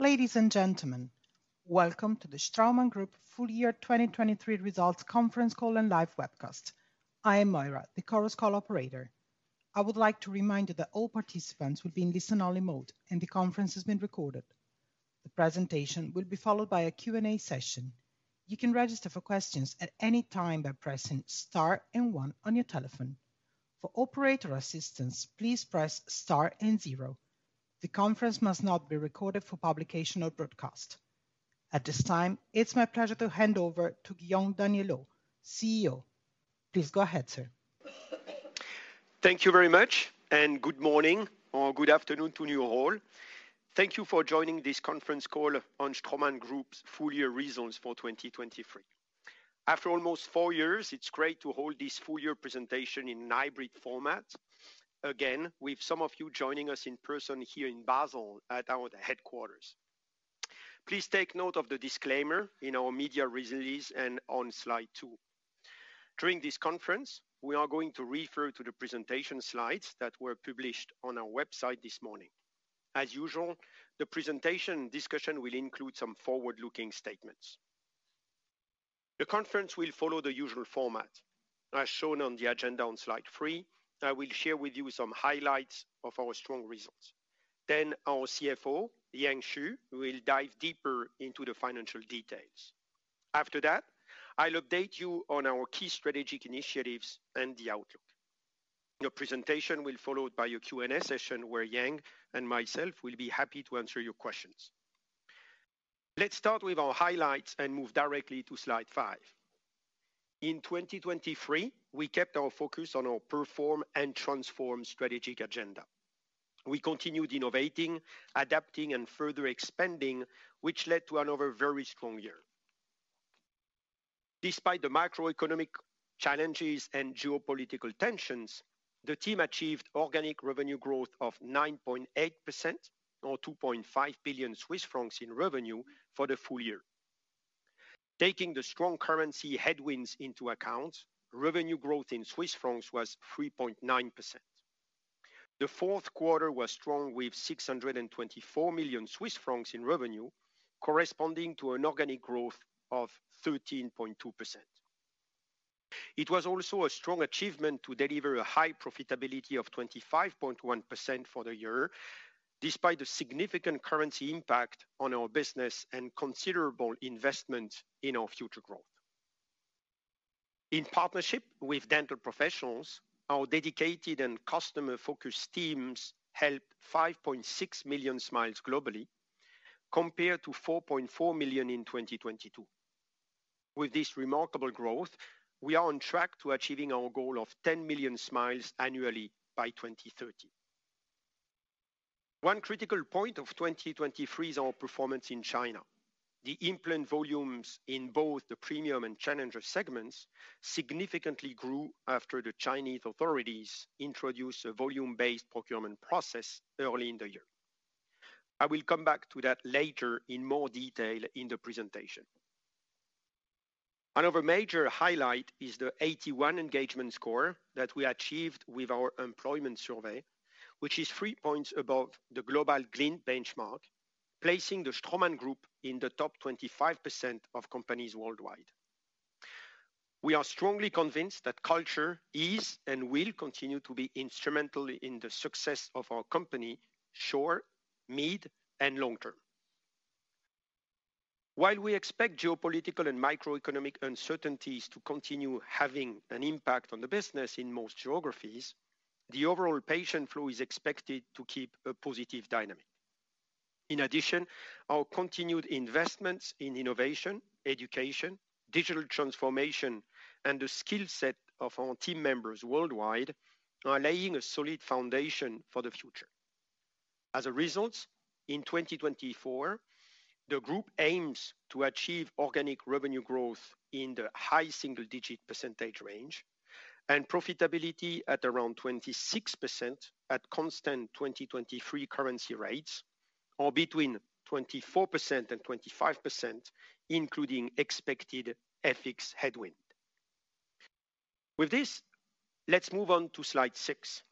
Ladies and gentlemen, welcome to the Straumann Group Full Year 2023 Results Conference Call and Live Webcast. I am Moira, the Chorus Call operator. I would like to remind you that all participants will be in listen-only mode, and the conference has been recorded. The presentation will be followed by a Q&A session. You can register for questions at any time by pressing star and 1 on your telephone. For operator assistance, please press star and 0. The conference must not be recorded for publication or broadcast. At this time, it's my pleasure to hand over to Guillaume Daniellot, CEO. Please go ahead, sir. Thank you very much, and good morning or good afternoon to you all. Thank you for joining this conference call on Straumann Group's Full Year Results for 2023. After almost four years, it's great to hold this full year presentation in a hybrid format, again with some of you joining us in person here in Basel at our headquarters. Please take note of the disclaimer in our media release and on slide 2. During this conference, we are going to refer to the presentation slides that were published on our website this morning. As usual, the presentation discussion will include some forward-looking statements. The conference will follow the usual format. As shown on the agenda on slide 3, I will share with you some highlights of our strong results. Then our CFO, Yang Xu, will dive deeper into the financial details. After that, I'll update you on our key strategic initiatives and the outlook. The presentation will follow by a Q&A session where Yang and myself will be happy to answer your questions. Let's start with our highlights and move directly to slide 5. In 2023, we kept our focus on our perform and transform strategic agenda. We continued innovating, adapting, and further expanding, which led to another very strong year. Despite the macroeconomic challenges and geopolitical tensions, the team achieved organic revenue growth of 9.8% or 2.5 billion Swiss francs in revenue for the full year. Taking the strong currency headwinds into account, revenue growth in CHF was 3.9%. The fourth quarter was strong with 624 million Swiss francs in revenue, corresponding to an organic growth of 13.2%. It was also a strong achievement to deliver a high profitability of 25.1% for the year, despite the significant currency impact on our business and considerable investment in our future growth. In partnership with dental professionals, our dedicated and customer-focused teams helped 5.6 million smiles globally, compared to 4.4 million in 2022. With this remarkable growth, we are on track to achieving our goal of 10 million smiles annually by 2030. One critical point of 2023 is our performance in China. The implant volumes in both the premium and challenger segments significantly grew after the Chinese authorities introduced a volume-based procurement process early in the year. I will come back to that later in more detail in the presentation. Another major highlight is the 81 engagement score that we achieved with our employment survey, which is three points above the global Glint benchmark, placing the Straumann Group in the top 25% of companies worldwide. We are strongly convinced that culture is and will continue to be instrumental in the success of our company short, mid, and long term. While we expect geopolitical and microeconomic uncertainties to continue having an impact on the business in most geographies, the overall patient flow is expected to keep a positive dynamic. In addition, our continued investments in innovation, education, digital transformation, and the skill set of our team members worldwide are laying a solid foundation for the future. As a result, in 2024, the group aims to achieve organic revenue growth in the high single-digit percentage range and profitability at around 26% at constant 2023 currency rates, or between 24% and 25%, including expected FX headwind. With this, let's move on to Slide 6.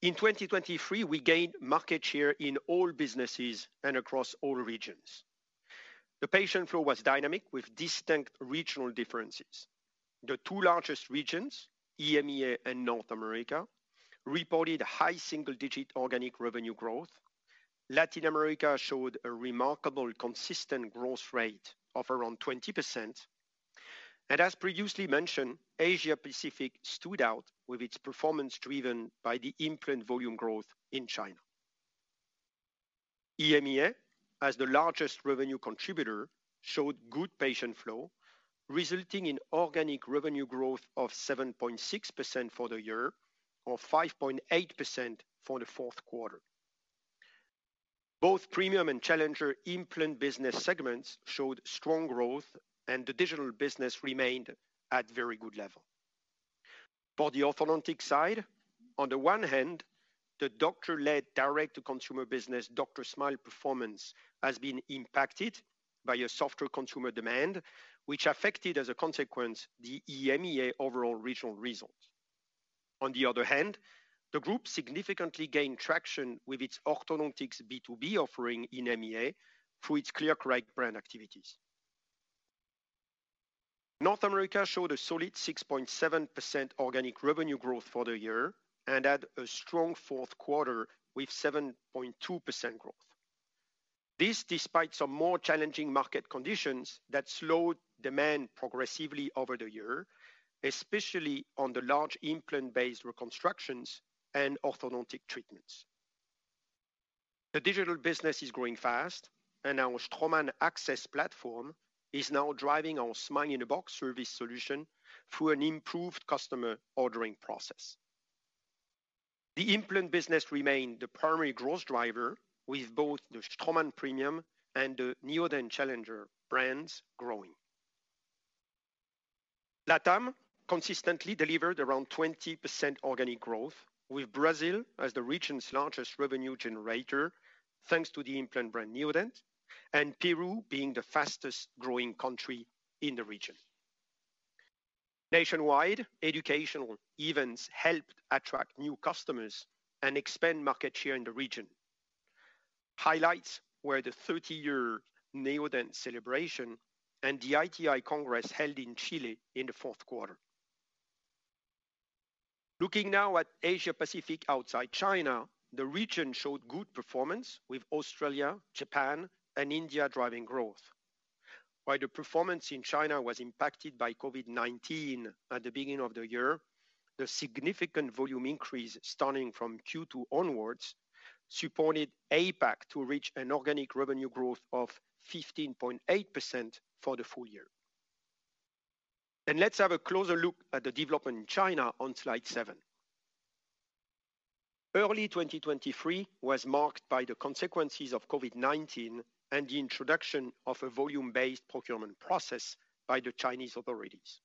In 2023, we gained market share in all businesses and across all regions. The patient flow was dynamic with distinct regional differences. The two largest regions, EMEA and North America, reported high single-digit organic revenue growth. Latin America showed a remarkable consistent growth rate of around 20%. And as previously mentioned, Asia-Pacific stood out with its performance driven by the implant volume growth in China. EMEA, as the largest revenue contributor, showed good patient flow, resulting in organic revenue growth of 7.6% for the year or 5.8% for the fourth quarter. Both premium and challenger implant business segments showed strong growth, and the digital business remained at very good level. For the orthodontic side, on the one hand, the doctor-led direct-to-consumer business DrSmile performance has been impacted by a softer consumer demand, which affected as a consequence the EMEA overall regional results. On the other hand, the group significantly gained traction with its orthodontics B2B offering in EMEA through its ClearCorrect brand activities. North America showed a solid 6.7% organic revenue growth for the year and had a strong fourth quarter with 7.2% growth. This despite some more challenging market conditions that slowed demand progressively over the year, especially on the large implant-based reconstructions and orthodontic treatments. The digital business is growing fast, and our Straumann AXS platform is now driving our Smile-in-a-Box service solution through an improved customer ordering process. The implant business remained the primary growth driver, with both the Straumann Premium and the Neodent challenger brands growing. LATAM consistently delivered around 20% organic growth, with Brazil as the region's largest revenue generator thanks to the implant brand Neodent, and Peru being the fastest growing country in the region. Nationwide, educational events helped attract new customers and expand market share in the region. Highlights were the 30-year Neodent celebration and the ITI Congress held in Chile in the fourth quarter. Looking now at Asia-Pacific outside China, the region showed good performance, with Australia, Japan, and India driving growth. While the performance in China was impacted by COVID-19 at the beginning of the year, the significant volume increase starting from Q2 onwards supported APAC to reach an organic revenue growth of 15.8% for the full year. Let's have a closer look at the development in China on slide 7. Early 2023 was marked by the consequences of COVID-19 and the introduction of a volume-based procurement process by the Chinese authorities.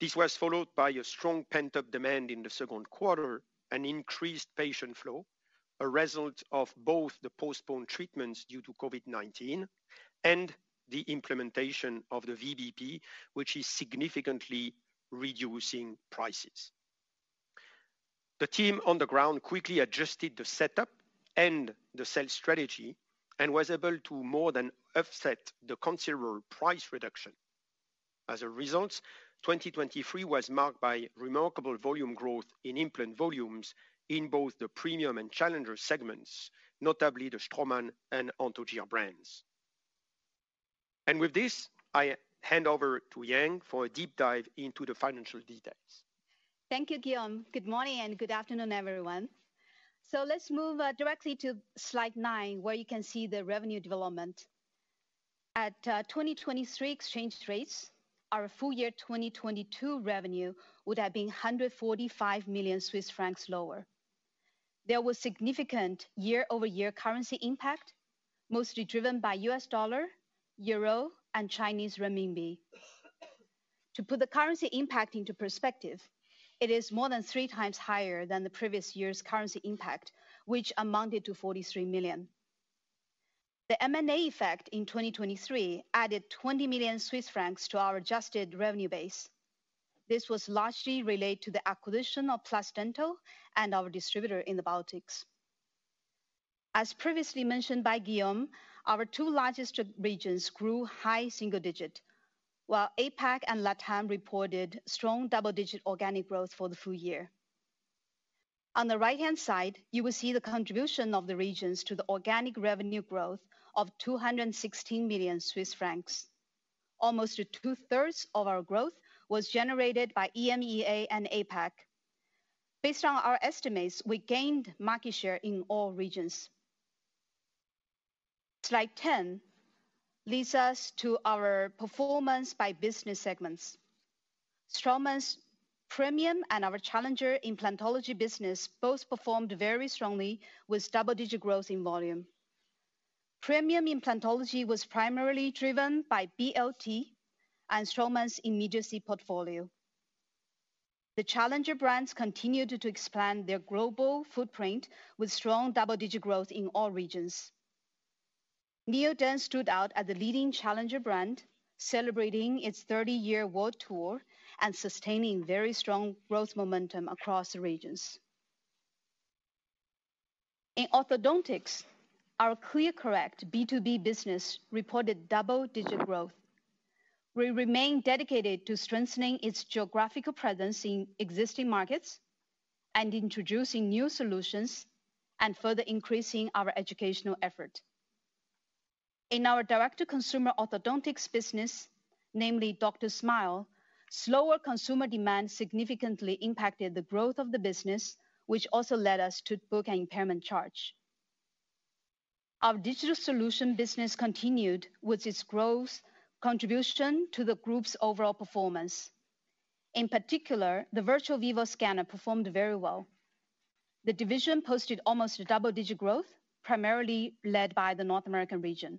This was followed by a strong pent-up demand in the second quarter and increased patient flow, a result of both the postponed treatments due to COVID-19 and the implementation of the VBP, which is significantly reducing prices. The team on the ground quickly adjusted the setup and the sales strategy and was able to more than offset the considerable price reduction. As a result, 2023 was marked by remarkable volume growth in implant volumes in both the premium and challenger segments, notably the Straumann and Anthogyr brands. With this, I hand over to Yang for a deep dive into the financial details. Thank you, Guillaume. Good morning and good afternoon, everyone. So let's move directly to slide 9, where you can see the revenue development. At 2023 exchange rates, our full year 2022 revenue would have been 145 million Swiss francs lower. There was significant year-over-year currency impact, mostly driven by US dollar, euro, and Chinese renminbi. To put the currency impact into perspective, it is more than three times higher than the previous year's currency impact, which amounted to 43 million. The M&A effect in 2023 added 20 million Swiss francs to our adjusted revenue base. This was largely related to the acquisition of PlusDental and our distributor in the Baltics. As previously mentioned by Guillaume, our two largest regions grew high single-digit, while APAC and LATAM reported strong double-digit organic growth for the full year. On the right-hand side, you will see the contribution of the regions to the organic revenue growth of 216 million Swiss francs. Almost two-thirds of our growth was generated by EMEA and APAC. Based on our estimates, we gained market share in all regions. Slide 10 leads us to our performance by business segments. Straumann's Premium and our challenger implantology business both performed very strongly with double-digit growth in volume. Premium implantology was primarily driven by BLT and Straumann's immediacy portfolio. The challenger brands continued to expand their global footprint with strong double-digit growth in all regions. Neodent stood out as the leading challenger brand, celebrating its 30-year world tour and sustaining very strong growth momentum across the regions. In orthodontics, our ClearCorrect B2B business reported double-digit growth. We remain dedicated to strengthening its geographical presence in existing markets and introducing new solutions and further increasing our educational effort. In our direct-to-consumer orthodontics business, namely DrSmile, slower consumer demand significantly impacted the growth of the business, which also led us to book an impairment charge. Our digital solution business continued with its growth contribution to the group's overall performance. In particular, the Virtuo Vivo scanner performed very well. The division posted almost double-digit growth, primarily led by the North American region.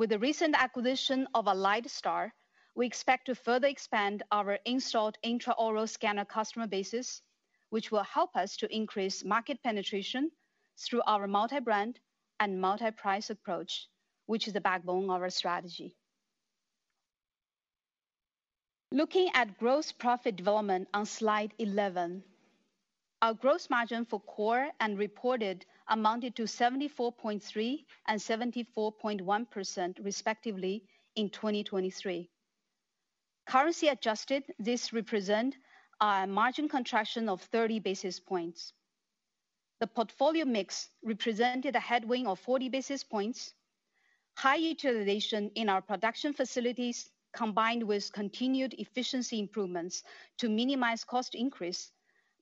With the recent acquisition of AlliedStar, we expect to further expand our installed intraoral scanner customer basis, which will help us to increase market penetration through our multi-brand and multi-price approach, which is the backbone of our strategy. Looking at gross profit development on slide 11, our gross margin for core and reported amounted to 74.3% and 74.1%, respectively, in 2023. Currency-adjusted, this represented a margin contraction of 30 basis points. The portfolio mix represented a headwind of 40 basis points. High utilization in our production facilities, combined with continued efficiency improvements to minimize cost increase,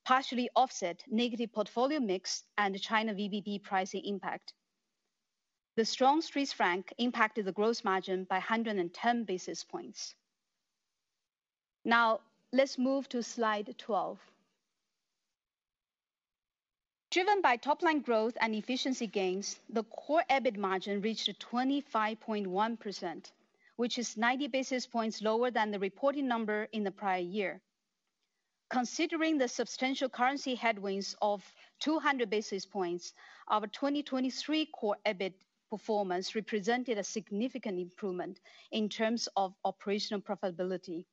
partially offset negative portfolio mix and China VBP pricing impact. The strong CHF impacted the gross margin by 110 basis points. Now, let's move to slide 12. Driven by top-line growth and efficiency gains, the core EBIT margin reached 25.1%, which is 90 basis points lower than the reporting number in the prior year. Considering the substantial currency headwinds of 200 basis points, our 2023 core EBIT performance represented a significant improvement in terms of operational profitability.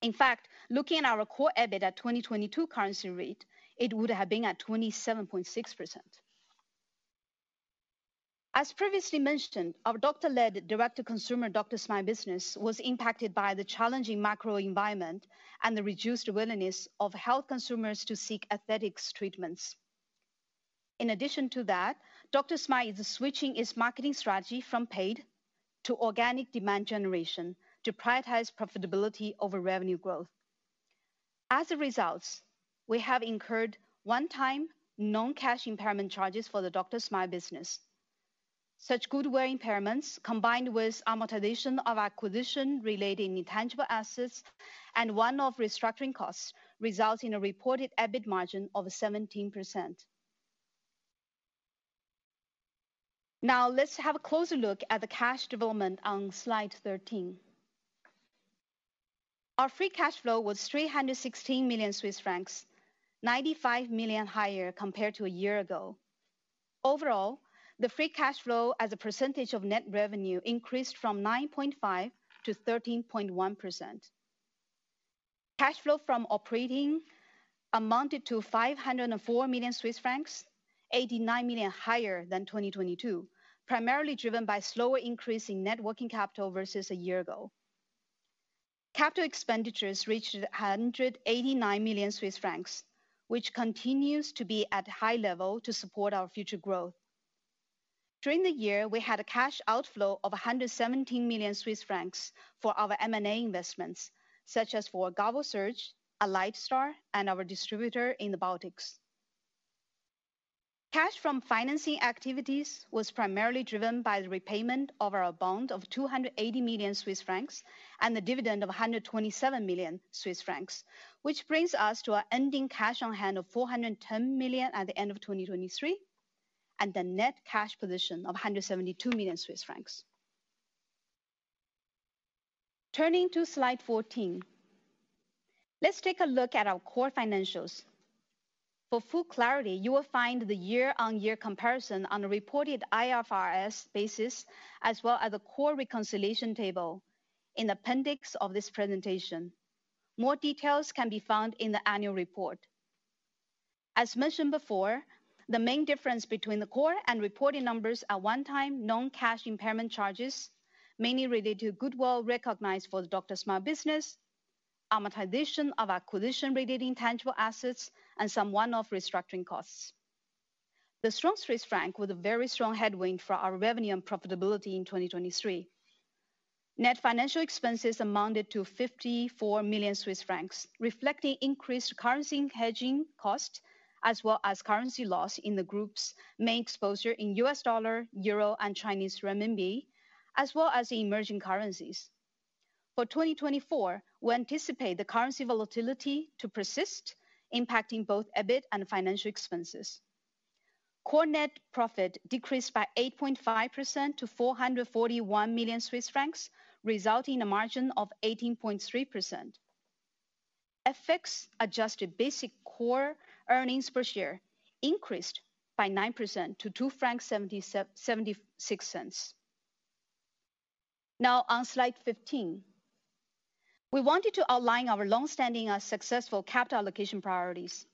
In fact, looking at our core EBIT at 2022 currency rate, it would have been at 27.6%. As previously mentioned, our doctor-led direct-to-consumer DrSmile business was impacted by the challenging macro environment and the reduced willingness of health consumers to seek aesthetic treatments. In addition to that, DrSmile is switching its marketing strategy from paid to organic demand generation to prioritize profitability over revenue growth. As a result, we have incurred one-time non-cash impairment charges for the DrSmile business. Such goodwill impairments, combined with amortization of acquisition-related intangible assets and one-off restructuring costs, result in a reported EBIT margin of 17%. Now, let's have a closer look at the cash development on slide 13. Our free cash flow was 316 million Swiss francs, 95 million higher compared to a year ago. Overall, the free cash flow as a percentage of net revenue increased from 9.5% to 13.1%. Cash flow from operating amounted to 504 million Swiss francs, 89 million higher than 2022, primarily driven by slower increase in net working capital versus a year ago. Capital expenditures reached 189 million Swiss francs, which continues to be at a high level to support our future growth. During the year, we had a cash outflow of 117 million Swiss francs for our M&A investments, such as for GalvoSurge, AlliedStar, and our distributor in the Baltics. Cash from financing activities was primarily driven by the repayment of our bond of 280 million Swiss francs and the dividend of 127 million Swiss francs, which brings us to an ending cash on hand of 410 million at the end of 2023 and a net cash position of 172 million Swiss francs. Turning to slide 14, let's take a look at our core financials. For full clarity, you will find the year-on-year comparison on a reported IFRS basis, as well as the core reconciliation table in the appendix of this presentation. More details can be found in the annual report. As mentioned before, the main difference between the core and reporting numbers are one-time non-cash impairment charges, mainly related to goodwill recognized for the DrSmile business, amortization of acquisition-related intangible assets, and some one-off restructuring costs. The strong CHF was a very strong headwind for our revenue and profitability in 2023. Net financial expenses amounted to 54 million Swiss francs, reflecting increased currency hedging costs as well as currency loss in the group's main exposure in US dollar, euro, and Chinese renminbi, as well as in emerging currencies. For 2024, we anticipate the currency volatility to persist, impacting both EBIT and financial expenses. Core net profit decreased by 8.5% to 441 million Swiss francs, resulting in a margin of 18.3%. FX-adjusted basic core earnings per year increased by 9% to 2.76 francs. Now, on slide 15, we wanted to outline our longstanding successful capital allocation priorities.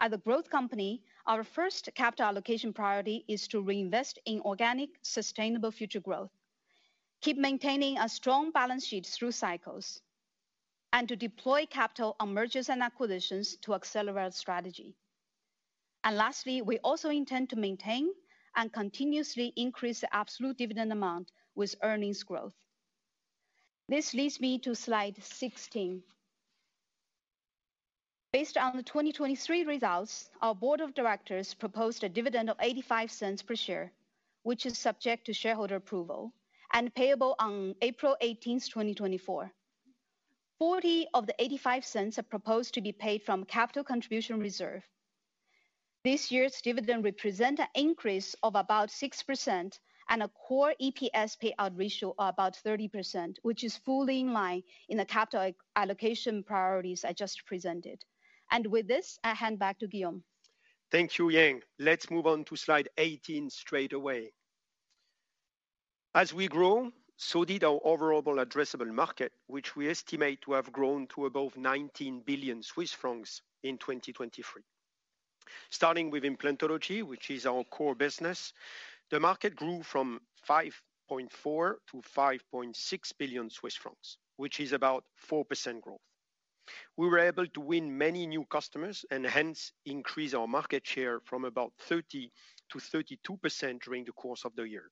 As a growth company, our first capital allocation priority is to reinvest in organic, sustainable future growth, keep maintaining a strong balance sheet through cycles, and to deploy capital on mergers and acquisitions to accelerate our strategy. Lastly, we also intend to maintain and continuously increase the absolute dividend amount with earnings growth. This leads me to slide 16. Based on the 2023 results, our board of directors proposed a dividend of 0.85 per share, which is subject to shareholder approval and payable on April 18, 2024. 40 of the 0.85 are proposed to be paid from Capital Contribution Reserve. This year's dividend represents an increase of about 6% and a Core EPS payout ratio of about 30%, which is fully in line with the capital allocation priorities I just presented. With this, I hand back to Guillaume. Thank you, Yang. Let's move on to slide 18 straight away. As we grow, so did our overall addressable market, which we estimate to have grown to above 19 billion Swiss francs in 2023. Starting with implantology, which is our core business, the market grew from 5.4 billion-5.6 billion Swiss francs, which is about 4% growth. We were able to win many new customers and hence increase our market share from about 30%-32% during the course of the year.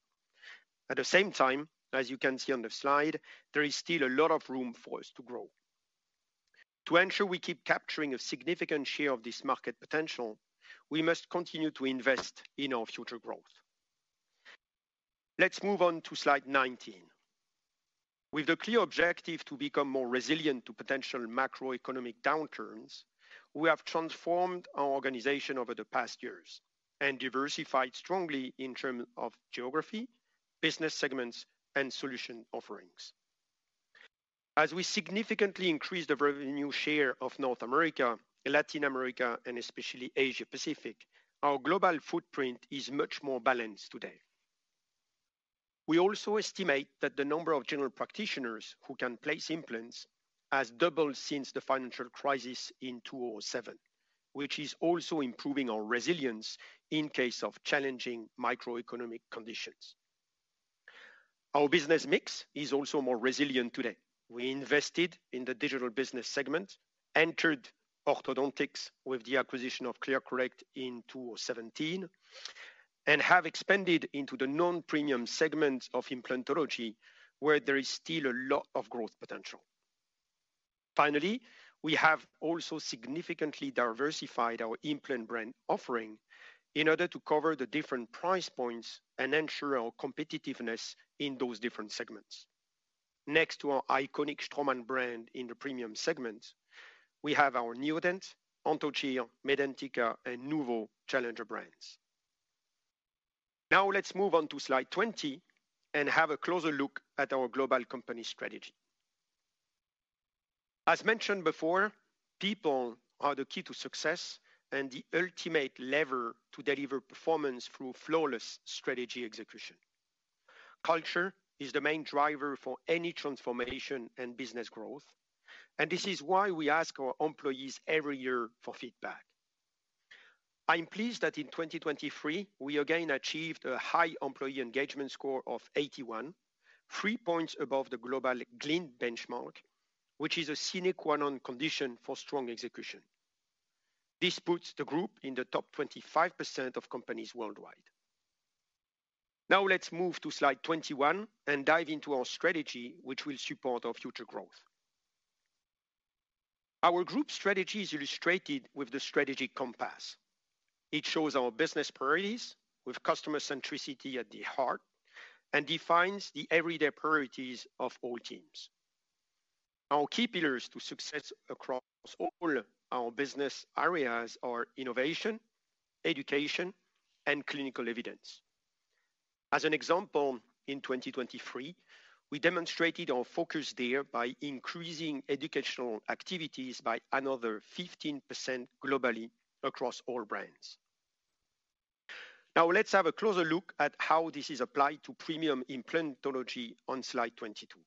At the same time, as you can see on the slide, there is still a lot of room for us to grow. To ensure we keep capturing a significant share of this market potential, we must continue to invest in our future growth. Let's move on to slide 19. With the clear objective to become more resilient to potential macroeconomic downturns, we have transformed our organization over the past years and diversified strongly in terms of geography, business segments, and solution offerings. As we significantly increased the revenue share of North America, Latin America, and especially Asia-Pacific, our global footprint is much more balanced today. We also estimate that the number of general practitioners who can place implants has doubled since the financial crisis in 2007, which is also improving our resilience in case of challenging microeconomic conditions. Our business mix is also more resilient today. We invested in the digital business segment, entered orthodontics with the acquisition of ClearCorrect in 2017, and have expanded into the non-premium segment of implantology, where there is still a lot of growth potential. Finally, we have also significantly diversified our implant brand offering in order to cover the different price points and ensure our competitiveness in those different segments. Next to our iconic Straumann brand in the premium segment, we have our Neodent, Anthogyr, Medentika, and NUVO challenger brands. Now, let's move on to slide 20 and have a closer look at our global company strategy. As mentioned before, people are the key to success and the ultimate lever to deliver performance through flawless strategy execution. Culture is the main driver for any transformation and business growth, and this is why we ask our employees every year for feedback. I am pleased that in 2023, we again achieved a high employee engagement score of 81, three points above the global Glint benchmark, which is a sine qua non condition for strong execution. This puts the group in the top 25% of companies worldwide. Now, let's move to slide 21 and dive into our strategy, which will support our future growth. Our group strategy is illustrated with the strategy compass. It shows our business priorities with customer centricity at the heart and defines the everyday priorities of all teams. Our key pillars to success across all our business areas are innovation, education, and clinical evidence. As an example, in 2023, we demonstrated our focus there by increasing educational activities by another 15% globally across all brands. Now, let's have a closer look at how this is applied to premium implantology on slide 22.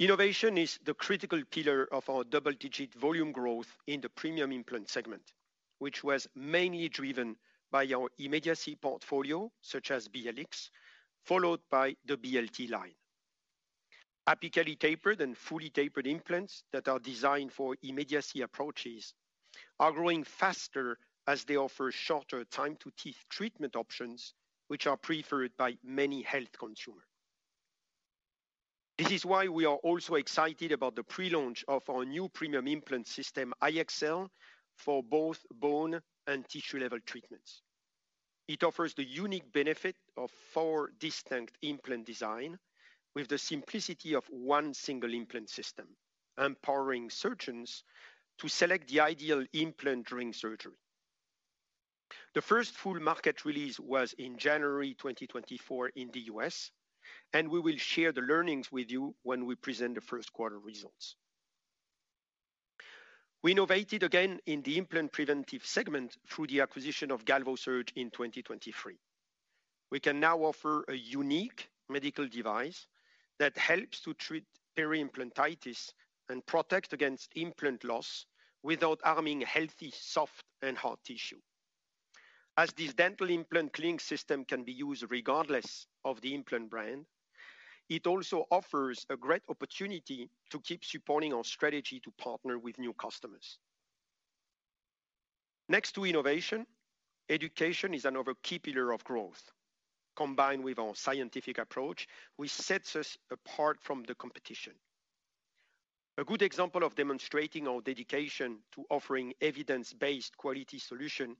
Innovation is the critical pillar of our double-digit volume growth in the premium implant segment, which was mainly driven by our immediacy portfolio, such as BLX, followed by the BLT line. Apically tapered and fully tapered implants that are designed for immediacy approaches are growing faster as they offer shorter time-to-teeth treatment options, which are preferred by many health consumers. This is why we are also excited about the prelaunch of our new premium implant system, TLX, for both bone and tissue-level treatments. It offers the unique benefit of four distinct implant designs with the simplicity of one single implant system, empowering surgeons to select the ideal implant during surgery. The first full market release was in January 2024 in the U.S., and we will share the learnings with you when we present the first quarter results. We innovated again in the implant preventive segment through the acquisition of GalvoSurge in 2023. We can now offer a unique medical device that helps to treat peri-implantitis and protect against implant loss without harming healthy soft and hard tissue. As this dental implant cleaning system can be used regardless of the implant brand, it also offers a great opportunity to keep supporting our strategy to partner with new customers. Next to innovation, education is another key pillar of growth. Combined with our scientific approach, which sets us apart from the competition. A good example of demonstrating our dedication to offering evidence-based quality solutions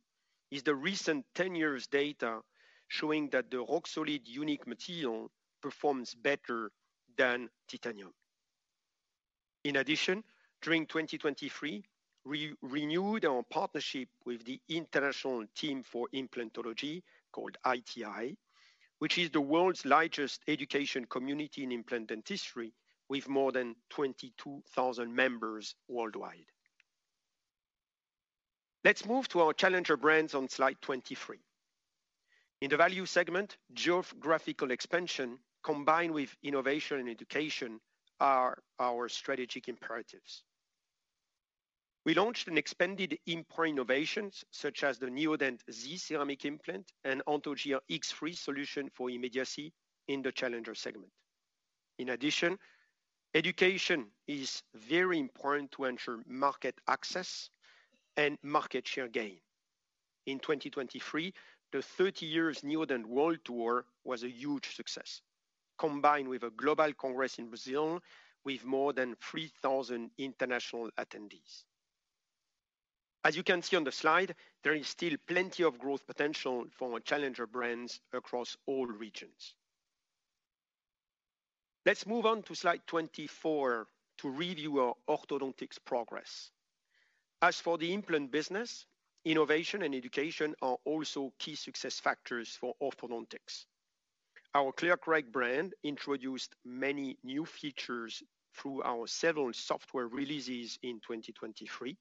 is the recent 10-year data showing that the Roxolid unique material performs better than titanium. In addition, during 2023, we renewed our partnership with the International Team for Implantology, called ITI, which is the world's largest education community in implant dentistry with more than 22,000 members worldwide. Let's move to our challenger brands on slide 23. In the value segment, geographical expansion combined with innovation and education are our strategic imperatives. We launched an expanded import of innovations such as the Neodent Zi ceramic implant and Anthogyr X3 solution for immediacy in the challenger segment. In addition, education is very important to ensure market access and market share gain. In 2023, the 30 Years Neodent World Tour was a huge success, combined with a global congress in Brazil with more than 3,000 international attendees. As you can see on the slide, there is still plenty of growth potential for challenger brands across all regions. Let's move on to slide 24 to review our orthodontics progress. As for the implant business, innovation and education are also key success factors for orthodontics. Our ClearCorrect brand introduced many new features through our several software releases in 2023,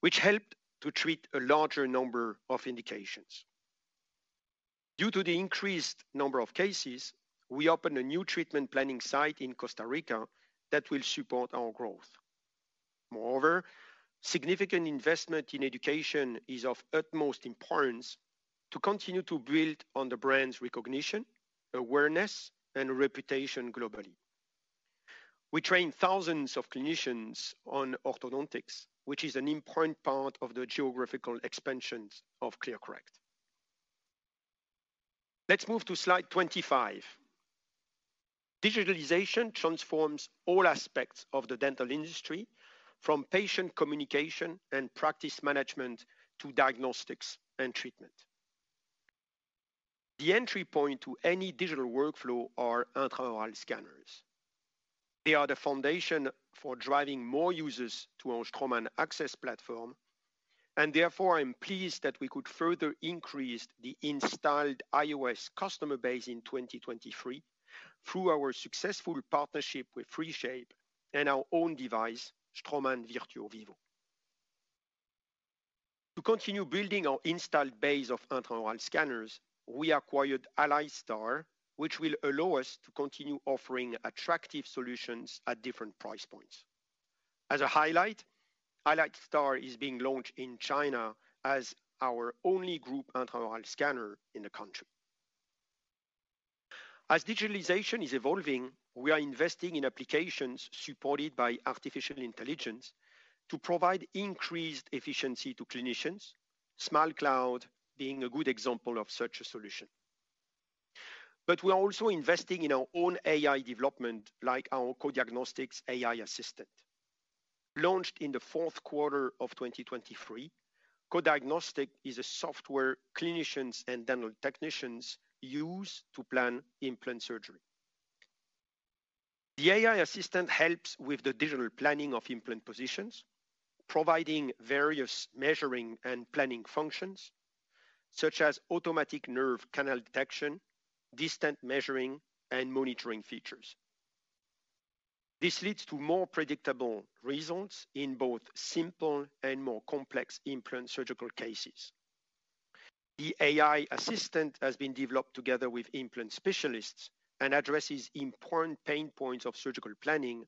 which helped to treat a larger number of indications. Due to the increased number of cases, we opened a new treatment planning site in Costa Rica that will support our growth. Moreover, significant investment in education is of utmost importance to continue to build on the brand's recognition, awareness, and reputation globally. We train thousands of clinicians on orthodontics, which is an important part of the geographical expansion of ClearCorrect. Let's move to slide 25. Digitalization transforms all aspects of the dental industry, from patient communication and practice management to diagnostics and treatment. The entry point to any digital workflow are intraoral scanners. They are the foundation for driving more users to our Straumann AXS platform, and therefore I am pleased that we could further increase the installed iOS customer base in 2023 through our successful partnership with 3Shape and our own device, Straumann Virtuo Vivo. To continue building our installed base of intraoral scanners, we acquired AlliedStar, which will allow us to continue offering attractive solutions at different price points. As a highlight, AlliedStar is being launched in China as our only group intraoral scanner in the country. As digitalization is evolving, we are investing in applications supported by artificial intelligence to provide increased efficiency to clinicians, SmileCloud being a good example of such a solution. But we are also investing in our own AI development, like our coDiagnostiX AI Assistant. Launched in the fourth quarter of 2023, coDiagnostiX is a software clinicians and dental technicians use to plan implant surgery. The AI Assistant helps with the digital planning of implant positions, providing various measuring and planning functions such as automatic nerve canal detection, distant measuring, and monitoring features. This leads to more predictable results in both simple and more complex implant surgical cases. The AI Assistant has been developed together with implant specialists and addresses important pain points of surgical planning,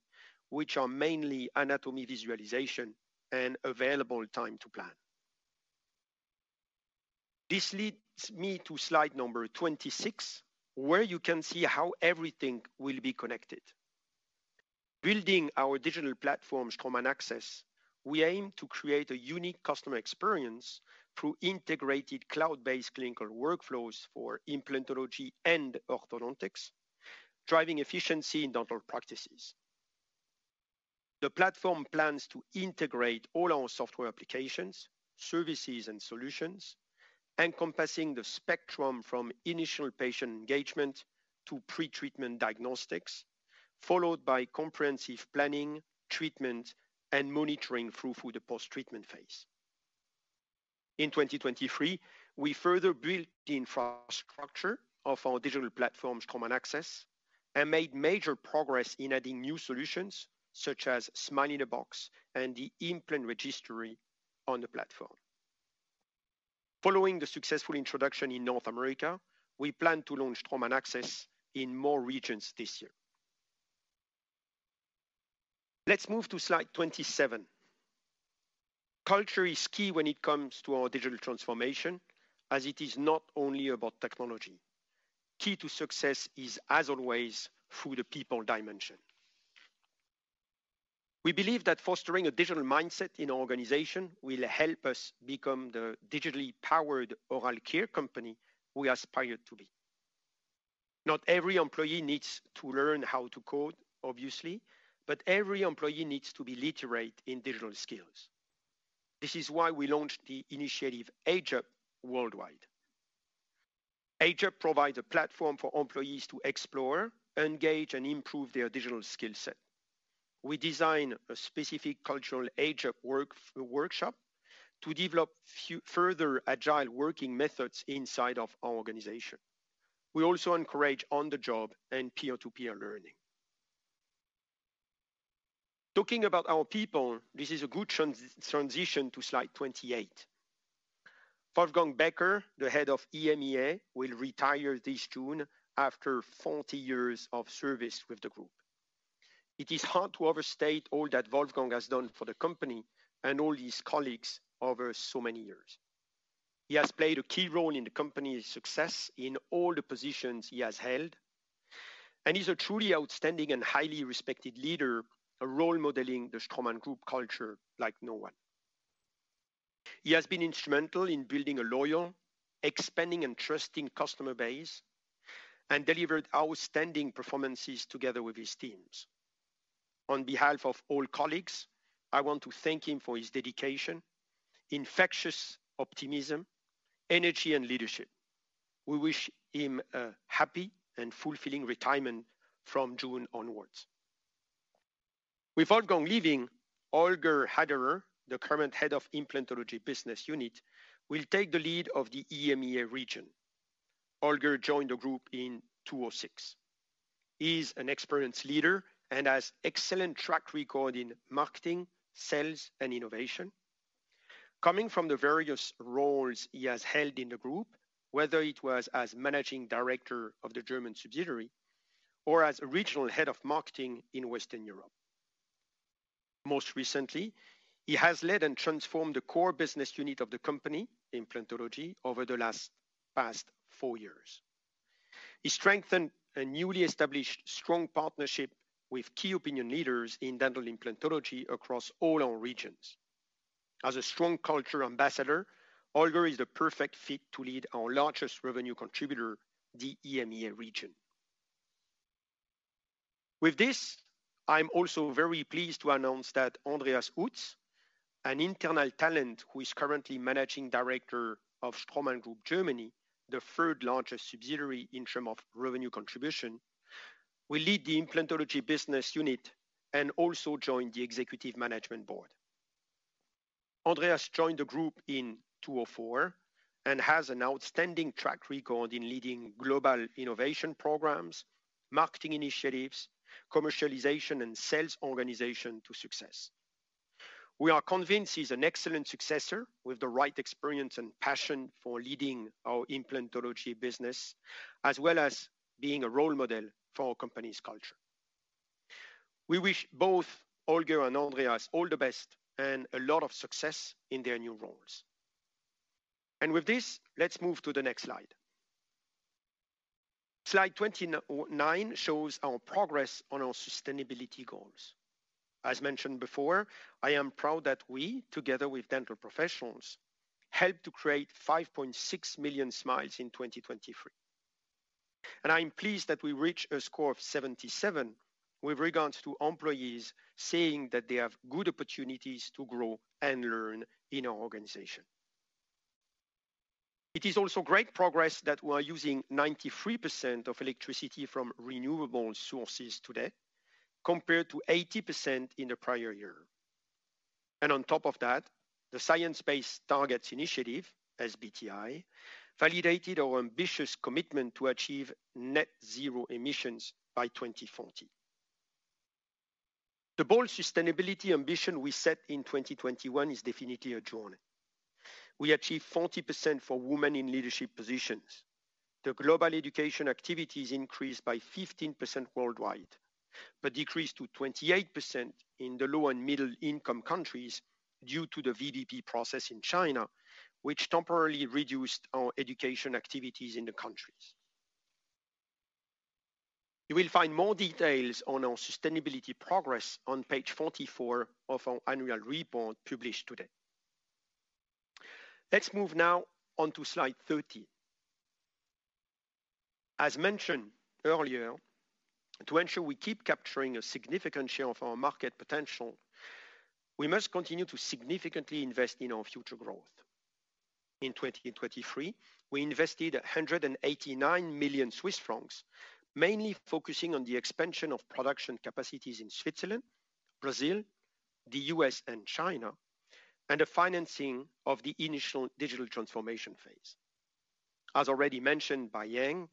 which are mainly anatomy visualization and available time to plan. This leads me to slide number 26, where you can see how everything will be connected. Building our digital platform, Straumann AXS, we aim to create a unique customer experience through integrated cloud-based clinical workflows for implantology and orthodontics, driving efficiency in dental practices. The platform plans to integrate all our software applications, services, and solutions, encompassing the spectrum from initial patient engagement to pre-treatment diagnostics, followed by comprehensive planning, treatment, and monitoring through the post-treatment phase. In 2023, we further built the infrastructure of our digital platform, Straumann AXS, and made major progress in adding new solutions such as Smile-in-a-Box and the implant registry on the platform. Following the successful introduction in North America, we plan to launch Straumann AXS in more regions this year. Let's move to slide 27. Culture is key when it comes to our digital transformation, as it is not only about technology. Key to success is, as always, through the people dimension. We believe that fostering a digital mindset in our organization will help us become the digitally powered oral care company we aspire to be. Not every employee needs to learn how to code, obviously, but every employee needs to be literate in digital skills. This is why we launched the initiative AgeUp worldwide. AgeUp provides a platform for employees to explore, engage, and improve their digital skill set. We designed a specific cultural AgeUp workshop to develop further agile working methods inside of our organization. We also encourage on-the-job and peer-to-peer learning. Talking about our people, this is a good transition to slide 28. Wolfgang Becker, the head of EMEA, will retire this June after 40 years of service with the group. It is hard to overstate all that Wolfgang has done for the company and all his colleagues over so many years. He has played a key role in the company's success in all the positions he has held and is a truly outstanding and highly respected leader role-modeling the Straumann Group culture like no one. He has been instrumental in building a loyal, expanding, and trusting customer base and delivered outstanding performances together with his teams. On behalf of all colleagues, I want to thank him for his dedication, infectious optimism, energy, and leadership. We wish him a happy and fulfilling retirement from June onwards. With Wolfgang leaving, Holger Haderer, the current head of Implantology Business Unit, will take the lead of the EMEA region. Holger joined the group in 2006. He is an experienced leader and has an excellent track record in marketing, sales, and innovation, coming from the various roles he has held in the group, whether it was as managing director of the German subsidiary or as regional head of marketing in Western Europe. Most recently, he has led and transformed the core business unit of the company, implantology, over the past four years. He strengthened a newly established strong partnership with key opinion leaders in dental implantology across all our regions. As a strong culture ambassador, Holger is the perfect fit to lead our largest revenue contributor, the EMEA region. With this, I'm also very pleased to announce that Andreas Utz, an internal talent who is currently Managing Director of Straumann Group Germany, the third largest subsidiary in terms of revenue contribution, will lead the Implantology Business Unit and also join the Executive Management Board. Andreas joined the group in 2004 and has an outstanding track record in leading global innovation programs, marketing initiatives, commercialization, and sales organization to success. We are convinced he is an excellent successor with the right experience and passion for leading our implantology business, as well as being a role model for our company's culture. We wish both Holger and Andreas all the best and a lot of success in their new roles. With this, let's move to the next slide. Slide 29 shows our progress on our sustainability goals. As mentioned before, I am proud that we, together with dental professionals, helped to create 5.6 million smiles in 2023. I am pleased that we reached a score of 77 with regards to employees saying that they have good opportunities to grow and learn in our organization. It is also great progress that we are using 93% of electricity from renewable sources today compared to 80% in the prior year. And on top of that, the Science-Based Targets Initiative, SBTi, validated our ambitious commitment to achieve net zero emissions by 2040. The bold sustainability ambition we set in 2021 is definitely a journey. We achieved 40% for women in leadership positions. The global education activity is increased by 15% worldwide but decreased to 28% in the low and middle-income countries due to the VBP process in China, which temporarily reduced our education activities in the countries. You will find more details on our sustainability progress on page 44 of our annual report published today. Let's move now on to slide 30. As mentioned earlier, to ensure we keep capturing a significant share of our market potential, we must continue to significantly invest in our future growth. In 2023, we invested 189 million Swiss francs, mainly focusing on the expansion of production capacities in Switzerland, Brazil, the U.S., and China, and the financing of the initial digital transformation phase. As already mentioned by Yang,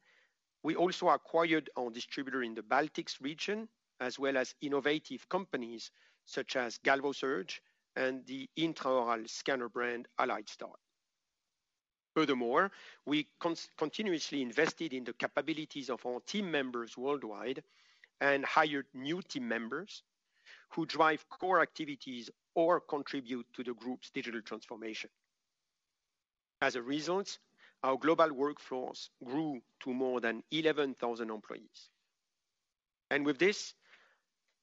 we also acquired our distributor in the Baltic States, as well as innovative companies such as GalvoSurge and the intraoral scanner brand AlliedStar. Furthermore, we continuously invested in the capabilities of our team members worldwide and hired new team members who drive core activities or contribute to the group's digital transformation. As a result, our global workforce grew to more than 11,000 employees. And with this,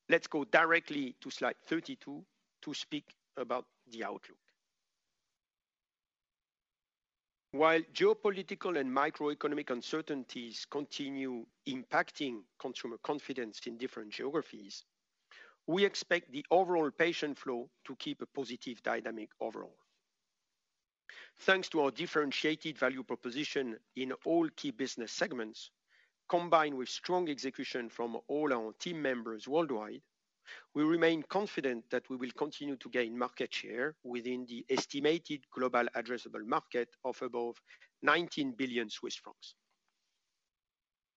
let's go directly to slide 32 to speak about the outlook. While geopolitical and microeconomic uncertainties continue impacting consumer confidence in different geographies, we expect the overall patient flow to keep a positive dynamic overall. Thanks to our differentiated value proposition in all key business segments, combined with strong execution from all our team members worldwide, we remain confident that we will continue to gain market share within the estimated global addressable market of above 19 billion Swiss francs.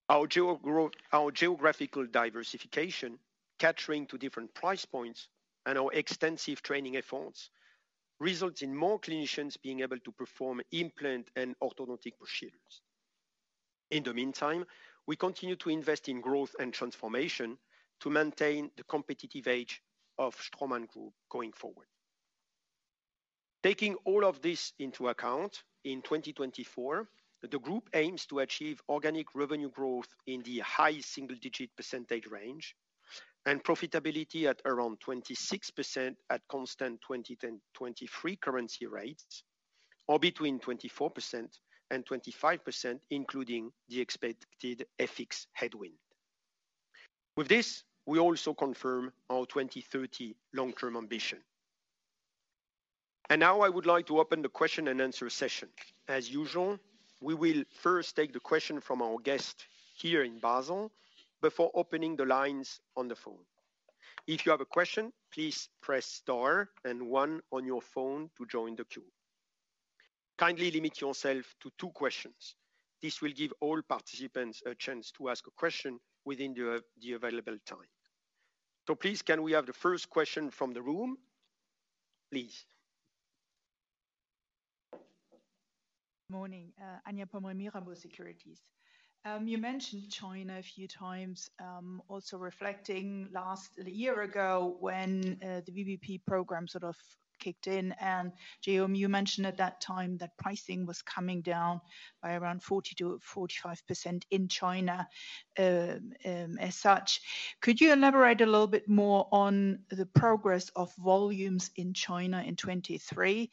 Our geographical diversification, catering to different price points, and our extensive training efforts result in more clinicians being able to perform implant and orthodontic procedures. In the meantime, we continue to invest in growth and transformation to maintain the competitive edge of Straumann Group going forward. Taking all of this into account, in 2024, the group aims to achieve organic revenue growth in the high single-digit percentage range and profitability at around 26% at constant 2023 currency rates or between 24%-25%, including the expected FX headwind. With this, we also confirm our 2030 long-term ambition. And now I would like to open the question-and-answer session. As usual, we will first take the question from our guest here in Basel before opening the lines on the phone. If you have a question, please press star and one on your phone to join the queue. Kindly limit yourself to two questions. This will give all participants a chance to ask a question within the available time. So please, can we have the first question from the room? Please. Good morning. Anja Pomrehn, Mirabaud Securities. You mentioned China a few times, also reflecting last year ago when the VBP program sort of kicked in. And Guillaume, you mentioned at that time that pricing was coming down by around 40%-45% in China as such. Could you elaborate a little bit more on the progress of volumes in China in 2023?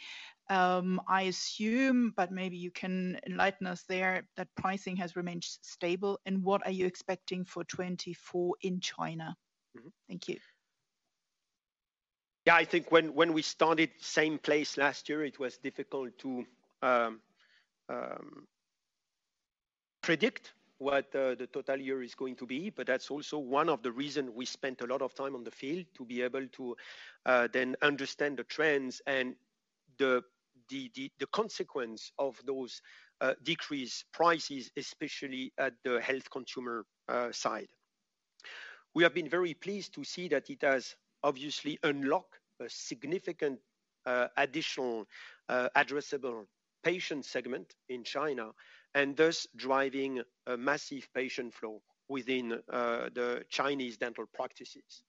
I assume, but maybe you can enlighten us there, that pricing has remained stable. And what are you expecting for 2024 in China? Thank you. Yeah, I think when we started same place last year, it was difficult to predict what the total year is going to be. But that's also one of the reasons we spent a lot of time on the field to be able to then understand the trends and the consequence of those decreased prices, especially at the health consumer side. We have been very pleased to see that it has obviously unlocked a significant additional addressable patient segment in China and thus driving a massive patient flow within the Chinese dental practices.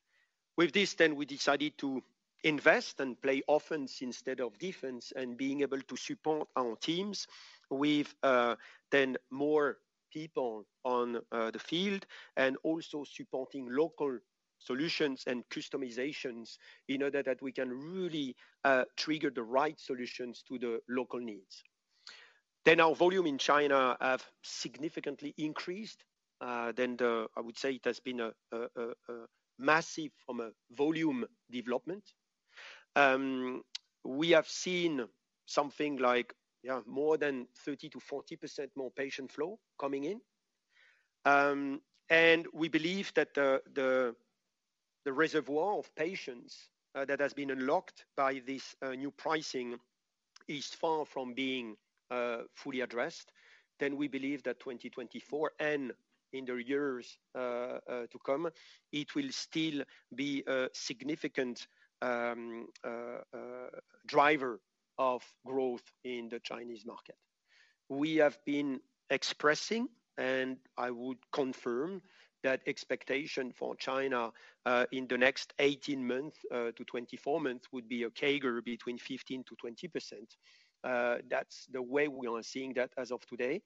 With this, then we decided to invest and play offense instead of defense and being able to support our teams with then more people on the field and also supporting local solutions and customizations in order that we can really trigger the right solutions to the local needs. Then our volume in China has significantly increased. Then I would say it has been a massive volume development. We have seen something like more than 30%-40% more patient flow coming in. And we believe that the reservoir of patients that has been unlocked by this new pricing is far from being fully addressed. Then we believe that 2024 and in the years to come, it will still be a significant driver of growth in the Chinese market. We have been expressing, and I would confirm, that expectation for China in the next 18-24 months would be a CAGR between 15%-20%. That's the way we are seeing that as of today.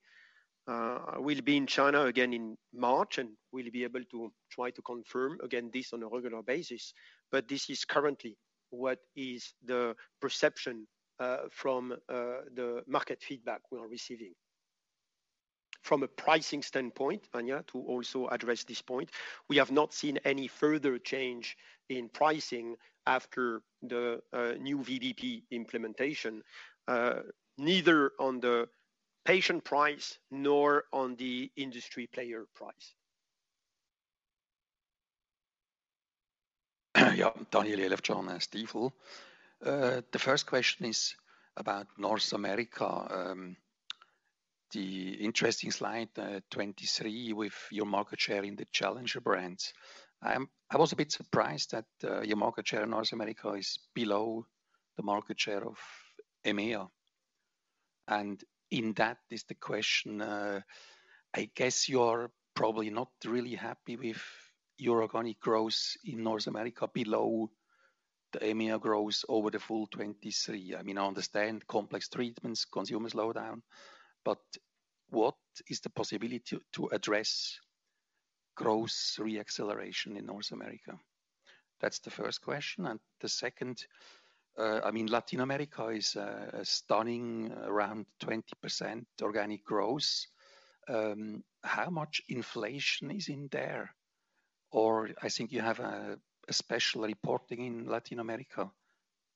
We'll be in China again in March, and we'll be able to try to confirm again this on a regular basis. But this is currently what is the perception from the market feedback we are receiving. From a pricing standpoint, Anya, to also address this point, we have not seen any further change in pricing after the new VBP implementation, neither on the patient price nor on the industry player price. Yeah, Daniel Jelovcan and Stifel. The first question is about North America. The interesting slide 23 with your market share in the challenger brands. I was a bit surprised that your market share in North America is below the market share of EMEA. And in that is the question, I guess you are probably not really happy with your organic growth in North America below the EMEA growth over the full 2023. I mean, I understand complex treatments, consumer slowdown. But what is the possibility to address growth reacceleration in North America? That's the first question. And the second, I mean, Latin America is stunning, around 20% organic growth. How much inflation is in there? Or I think you have a special reporting in Latin America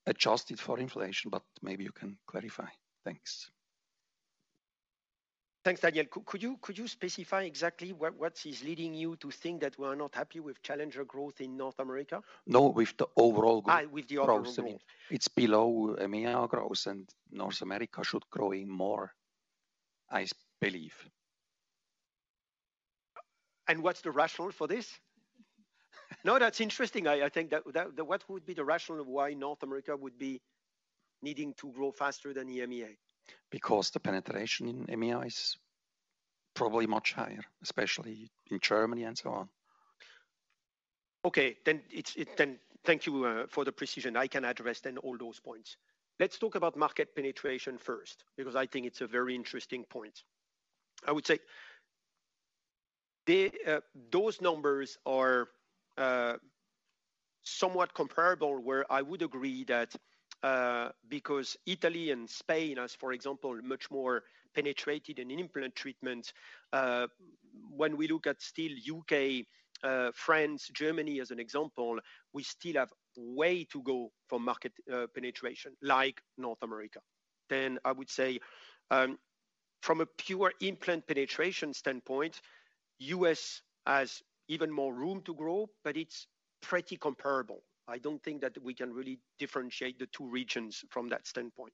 adjusted for inflation. But maybe you can clarify. Thanks. Thanks, Daniel. Could you specify exactly what is leading you to think that we are not happy with challenger growth in North America? No, with the overall growth. With the overall growth. It's below EMEA growth. North America should grow more, I believe. What's the rationale for this? No, that's interesting. I think what would be the rationale of why North America would be needing to grow faster than the EMEA? Because the penetration in EMEA is probably much higher, especially in Germany and so on. Okay. Then thank you for the precision. I can address then all those points. Let's talk about market penetration first, because I think it's a very interesting point. I would say those numbers are somewhat comparable, where I would agree that because Italy and Spain are, for example, much more penetrated in implant treatment, when we look at still UK, France, Germany as an example, we still have way to go for market penetration, like North America. Then I would say from a pure implant penetration standpoint, the US has even more room to grow, but it's pretty comparable. I don't think that we can really differentiate the two regions from that standpoint.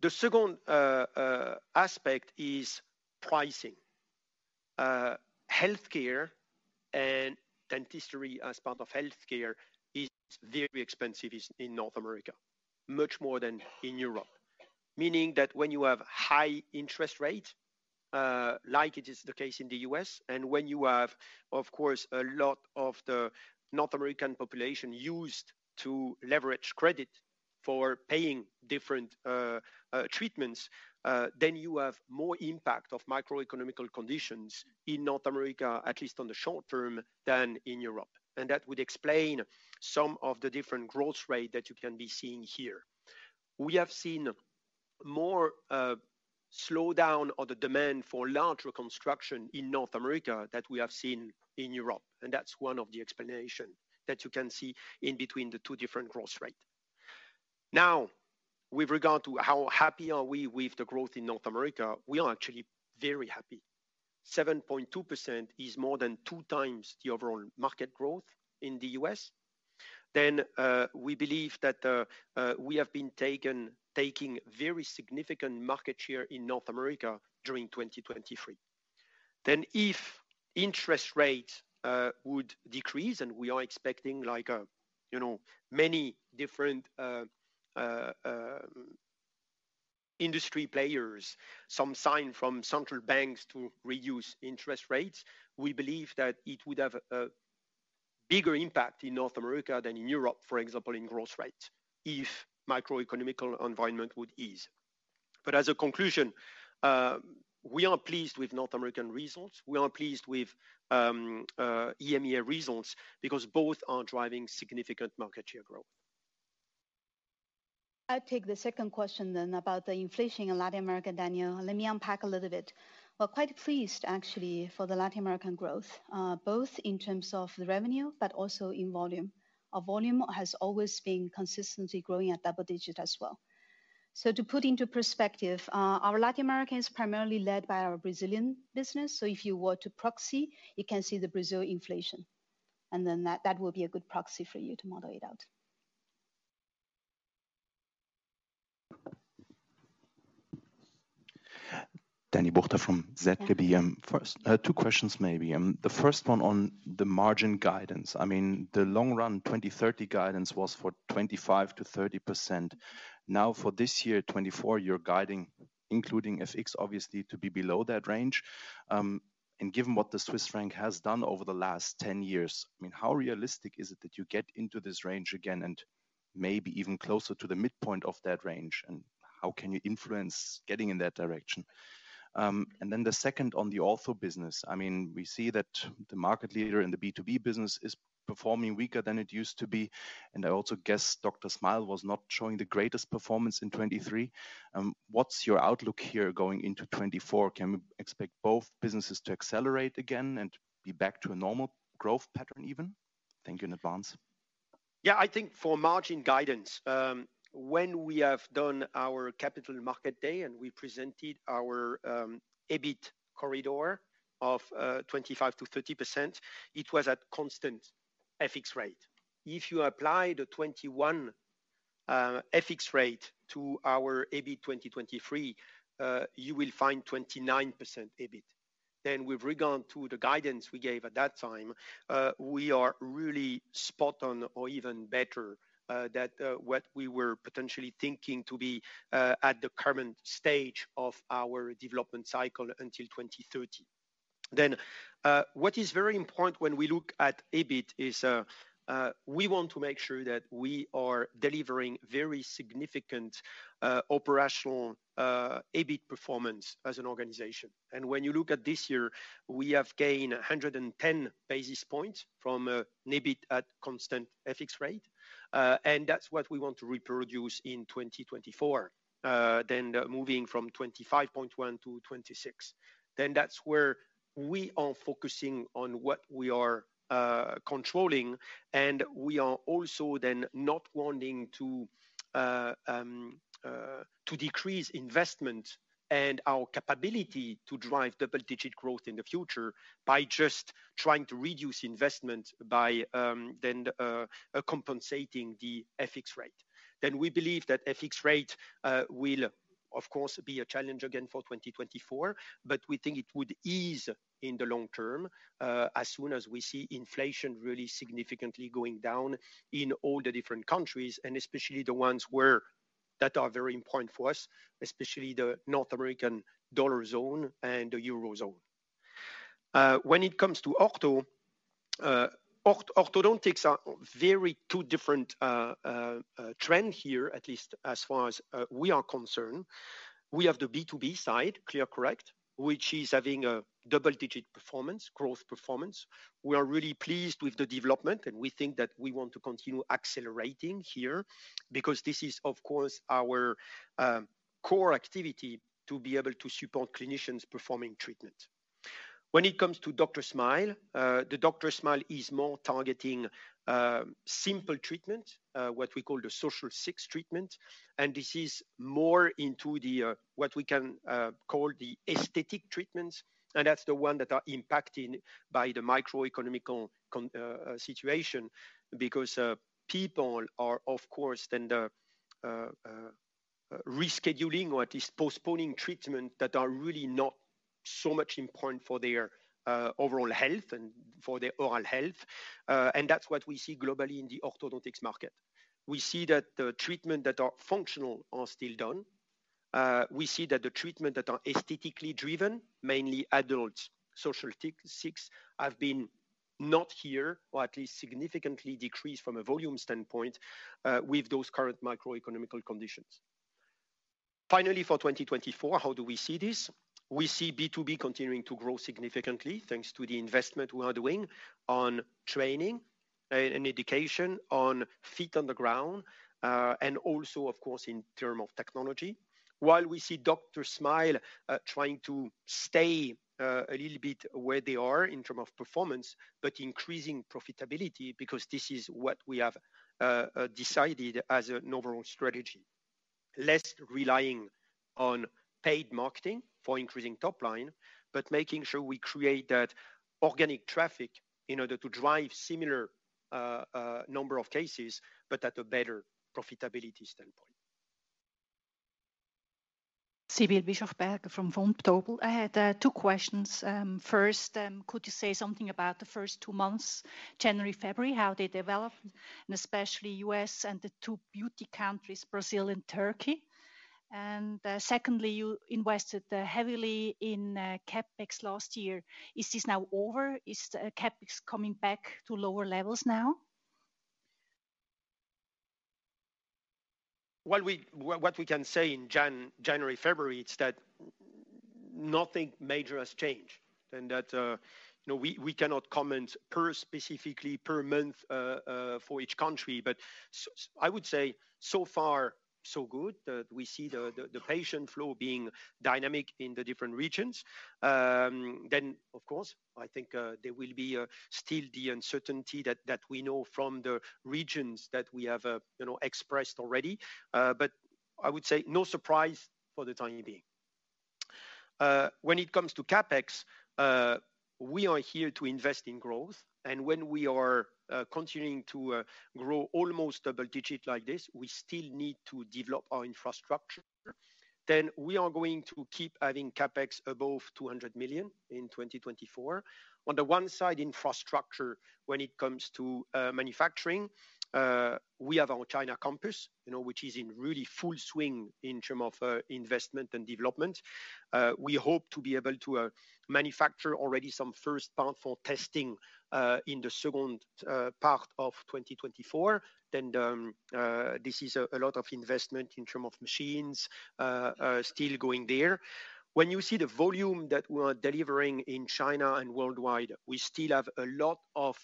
The second aspect is pricing. Healthcare and dentistry as part of healthcare is very expensive in North America, much more than in Europe, meaning that when you have high interest rates, like it is the case in the US, and when you have, of course, a lot of the North American population used to leverage credit for paying different treatments, then you have more impact of macroeconomic conditions in North America, at least on the short term, than in Europe. That would explain some of the different growth rates that you can be seeing here. We have seen more slowdown of the demand for large reconstruction in North America than we have seen in Europe. That's one of the explanations that you can see in between the two different growth rates. Now, with regard to how happy are we with the growth in North America, we are actually very happy. 7.2% is more than two times the overall market growth in the U.S. Then we believe that we have been taking very significant market share in North America during 2023. Then if interest rates would decrease, and we are expecting many different industry players, some sign from central banks to reduce interest rates, we believe that it would have a bigger impact in North America than in Europe, for example, in growth rates if microeconomic environment would ease. But as a conclusion, we are pleased with North American results. We are pleased with EMEA results because both are driving significant market share growth. I'll take the second question then about the inflation in Latin America, Danielle. Let me unpack a little bit. We're quite pleased, actually, for the Latin American growth, both in terms of the revenue but also in volume. Our volume has always been consistently growing at double digit as well. So to put into perspective, our Latin America is primarily led by our Brazilian business. So if you were to proxy, you can see the Brazil inflation. And then that will be a good proxy for you to model it out. Daniel Buchta from ZKB first. Two questions, maybe. The first one on the margin guidance. I mean, the long-run 2030 guidance was for 25%-30%. Now, for this year, 2024, you're guiding, including FX, obviously, to be below that range. And given what the Swiss franc has done over the last 10 years, I mean, how realistic is it that you get into this range again and maybe even closer to the midpoint of that range? And how can you influence getting in that direction? And then the second on the ortho business. I mean, we see that the market leader in the B2B business is performing weaker than it used to be. And I also guess DrSmile was not showing the greatest performance in 2023. What's your outlook here going into 2024? Can we expect both businesses to accelerate again and be back to a normal growth pattern even? Thank you in advance. Yeah, I think for margin guidance, when we have done our capital market day and we presented our EBIT corridor of 25%-30%, it was at constant FX rate. If you apply the 2021 FX rate to our EBIT 2023, you will find 29% EBIT. Then with regard to the guidance we gave at that time, we are really spot on or even better than what we were potentially thinking to be at the current stage of our development cycle until 2030. Then what is very important when we look at EBIT is we want to make sure that we are delivering very significant operational EBIT performance as an organization. And when you look at this year, we have gained 110 basis points from an EBIT at constant FX rate. And that's what we want to reproduce in 2024, then moving from 25.1%-26%. Then that's where we are focusing on what we are controlling. And we are also then not wanting to decrease investment and our capability to drive double-digit growth in the future by just trying to reduce investment by then compensating the FX rate. Then we believe that FX rate will, of course, be a challenge again for 2024. But we think it would ease in the long term as soon as we see inflation really significantly going down in all the different countries, and especially the ones that are very important for us, especially the North American dollar zone and the euro zone. When it comes to ortho. Orthodontics are very two different trends here, at least as far as we are concerned. We have the B2B side, ClearCorrect, which is having a double-digit performance, growth performance. We are really pleased with the development. We think that we want to continue accelerating here because this is, of course, our core activity to be able to support clinicians performing treatment. When it comes to DrSmile, the DrSmile is more targeting simple treatments, what we call the Social Six treatments. This is more into what we can call the aesthetic treatments. That's the ones that are impacted by the microeconomic situation because people are, of course, then rescheduling or at least postponing treatments that are really not so much important for their overall health and for their oral health. That's what we see globally in the orthodontics market. We see that the treatments that are functional are still done. We see that the treatments that are aesthetically driven, mainly adults, Social Six, have been not here or at least significantly decreased from a volume standpoint with those current microeconomic conditions. Finally, for 2024, how do we see this? We see B2B continuing to grow significantly thanks to the investment we are doing on training and education, on feet on the ground, and also, of course, in terms of technology, while we see DrSmile trying to stay a little bit where they are in terms of performance but increasing profitability because this is what we have decided as an overall strategy, less relying on paid marketing for increasing top line, but making sure we create that organic traffic in order to drive a similar number of cases but at a better profitability standpoint. Sibylle Bischofberger from Vontobel. I had two questions. First, could you say something about the first two months, January, February? How they developed, and especially the U.S. and the two beauty countries, Brazil and Turkey? And secondly, you invested heavily in CapEx last year. Is this now over? Is CapEx coming back to lower levels now? What we can say in January, February, it's that nothing major has changed and that we cannot comment specifically per month for each country. But I would say so far, so good that we see the patient flow being dynamic in the different regions. Then, of course, I think there will be still the uncertainty that we know from the regions that we have expressed already. But I would say no surprise for the time being. When it comes to CapEx, we are here to invest in growth. And when we are continuing to grow almost double-digit like this, we still need to develop our infrastructure. Then we are going to keep having CapEx above 200 million in 2024. On the one side, infrastructure, when it comes to manufacturing, we have our China campus, which is in really full swing in terms of investment and development. We hope to be able to manufacture already some first part for testing in the second part of 2024. This is a lot of investment in terms of machines still going there. When you see the volume that we are delivering in China and worldwide, we still have a lot of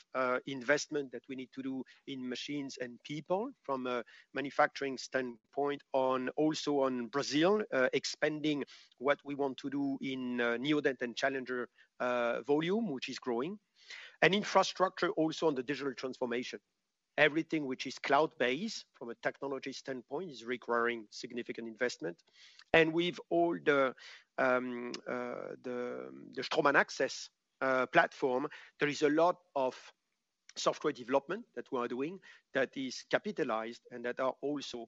investment that we need to do in machines and people from a manufacturing standpoint, also on Brazil, expanding what we want to do in Neodent and challenger volume, which is growing, and infrastructure also on the digital transformation. Everything which is cloud-based from a technology standpoint is requiring significant investment. With all the Straumann AXS platform, there is a lot of software development that we are doing that is capitalized and that are also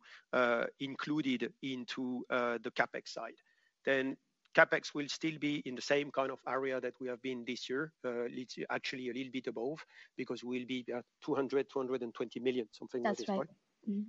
included into the CapEx side. CapEx will still be in the same kind of area that we have been this year, actually a little bit above because we will be at 200-220 million, something like that. That's right. Yeah, fine.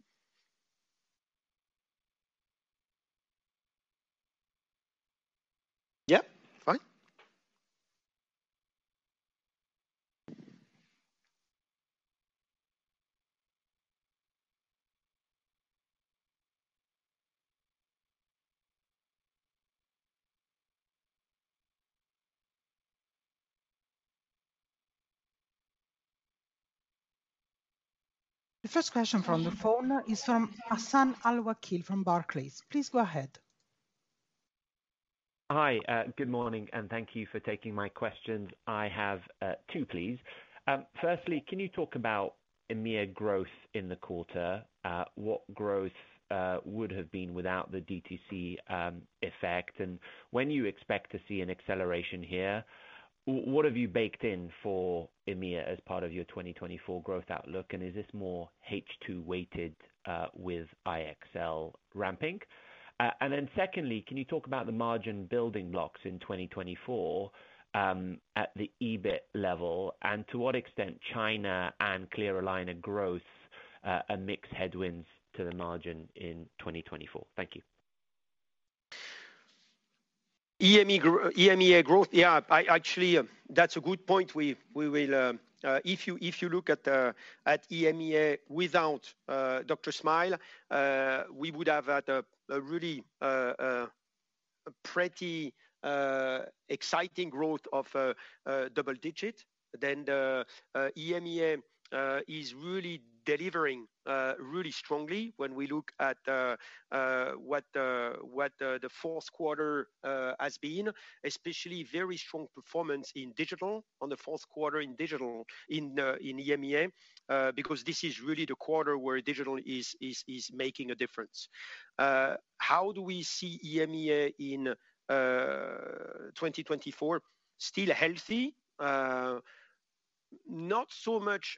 The first question from the phone is from Hassan Al-Wakeel from Barclays. Please go ahead. Hi. Good morning. Thank you for taking my questions. I have two, please. Firstly, can you talk about EMEA growth in the quarter? What growth would have been without the DTC effect? And when you expect to see an acceleration here, what have you baked in for EMEA as part of your 2024 growth outlook? And is this more H2-weighted with iEXCEL ramping? And then secondly, can you talk about the margin building blocks in 2024 at the EBIT level? And to what extent China and clear aligner growth and mixed headwinds to the margin in 2024? Thank you. EMEA growth, yeah, actually, that's a good point. If you look at EMEA without DrSmile, we would have had a really pretty exciting growth of double-digit. Then EMEA is really delivering really strongly when we look at what the fourth quarter has been, especially very strong performance in digital on the fourth quarter in digital in EMEA because this is really the quarter where digital is making a difference. How do we see EMEA in 2024? Still healthy, not so much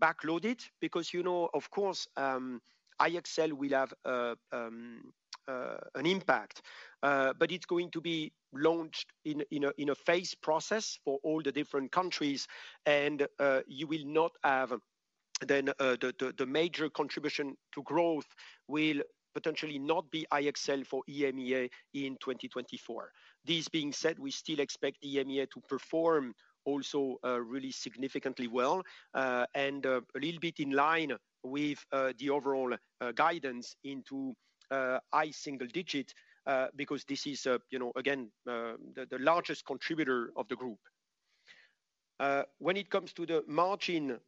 backloaded because, of course, TLX will have an impact. But it's going to be launched in a phased process for all the different countries. And you will not have then the major contribution to growth will potentially not be TLX for EMEA in 2024. This being said, we still expect EMEA to perform also really significantly well and a little bit in line with the overall guidance into high single-digit because this is, again, the largest contributor of the group. When it comes to the margin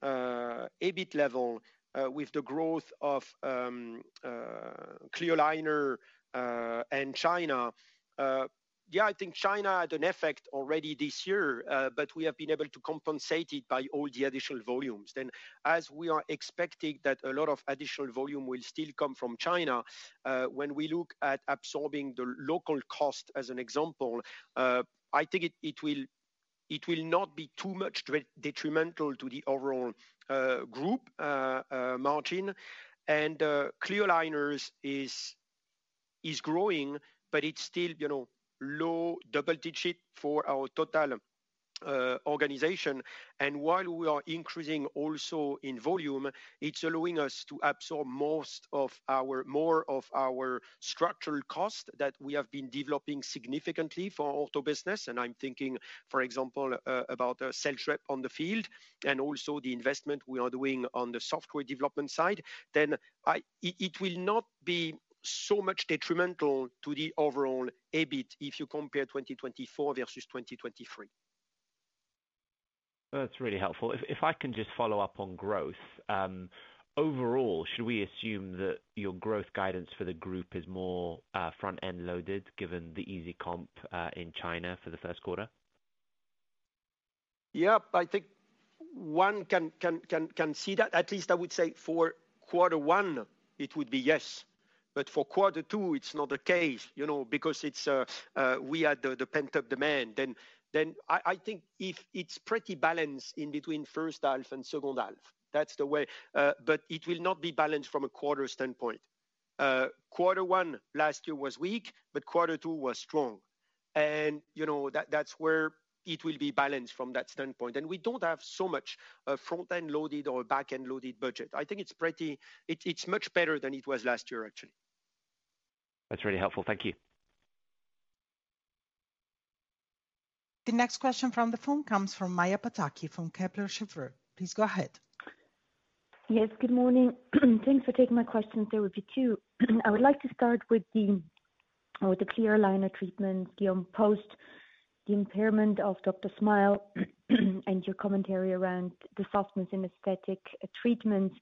EBIT level with the growth of clear aligner and China, yeah, I think China had an effect already this year. But we have been able to compensate it by all the additional volumes. Then as we are expecting that a lot of additional volume will still come from China, when we look at absorbing the local cost as an example, I think it will not be too much detrimental to the overall group margin. And clear aligners is growing, but it's still low double-digit for our total organization. While we are increasing also in volume, it's allowing us to absorb more of our structural costs that we have been developing significantly for ortho business. I'm thinking, for example, about sales reps in the field and also the investment we are doing on the software development side. It will not be so much detrimental to the overall EBIT if you compare 2024 versus 2023. That's really helpful. If I can just follow up on growth, overall, should we assume that your growth guidance for the group is more front-end loaded given the easy comp in China for the first quarter? Yeah, I think one can see that. At least I would say for quarter one, it would be yes. But for quarter two, it's not the case because we had the pent-up demand. Then I think it's pretty balanced in between first half and second half. That's the way. But it will not be balanced from a quarter standpoint. Quarter one last year was weak, but quarter two was strong. And that's where it will be balanced from that standpoint. And we don't have so much front-end loaded or back-end loaded budget. I think it's much better than it was last year, actually. That's really helpful. Thank you. The next question from the phone comes from Maja Pataki from Kepler Cheuvreux. Please go ahead. Yes, good morning. Thanks for taking my questions. There would be two. I would like to start with the clear aligner treatments, Guillaume, post the impairment of DrSmile, and your commentary around the softness in aesthetic treatments.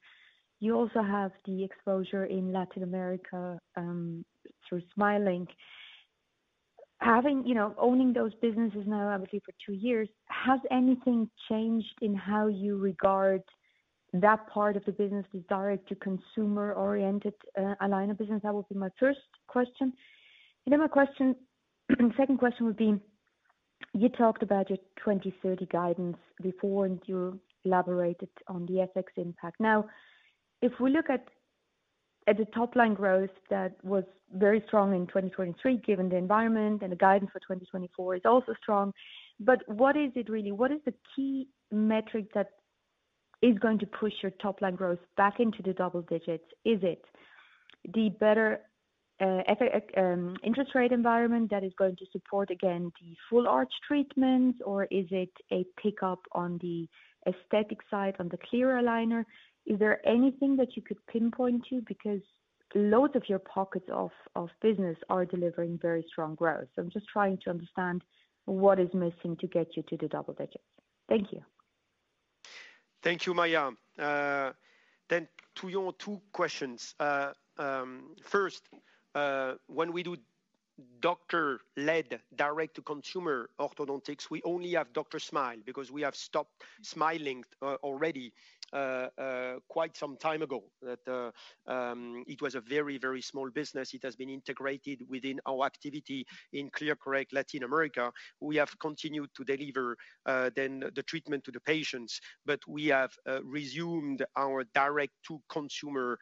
You also have the exposure in Latin America through SmileLink. Owning those businesses now, obviously, for two years, has anything changed in how you regard that part of the business, this direct-to-consumer-oriented aligner business? That would be my first question. Second question would be, you talked about your 2030 guidance before, and you elaborated on the ethics impact. Now, if we look at the top-line growth that was very strong in 2023 given the environment and the guidance for 2024 is also strong. But what is it really? What is the key metric that is going to push your top-line growth back into the double digits? Is it the better interest-rate environment that is going to support, again, the full-arch treatments, or is it a pickup on the aesthetic side, on the clear aligner? Is there anything that you could pinpoint to because loads of your pockets of business are delivering very strong growth? So I'm just trying to understand what is missing to get you to the double digits. Thank you. Thank you, Maa. Then to your two questions. First, when we do doctor-led direct-to-consumer orthodontics, we only have DrSmile because we have stopped SmileLink already quite some time ago. It was a very, very small business. It has been integrated within our activity in ClearCorrect Latin America. We have continued to deliver then the treatment to the patients. But we have resumed our direct-to-consumer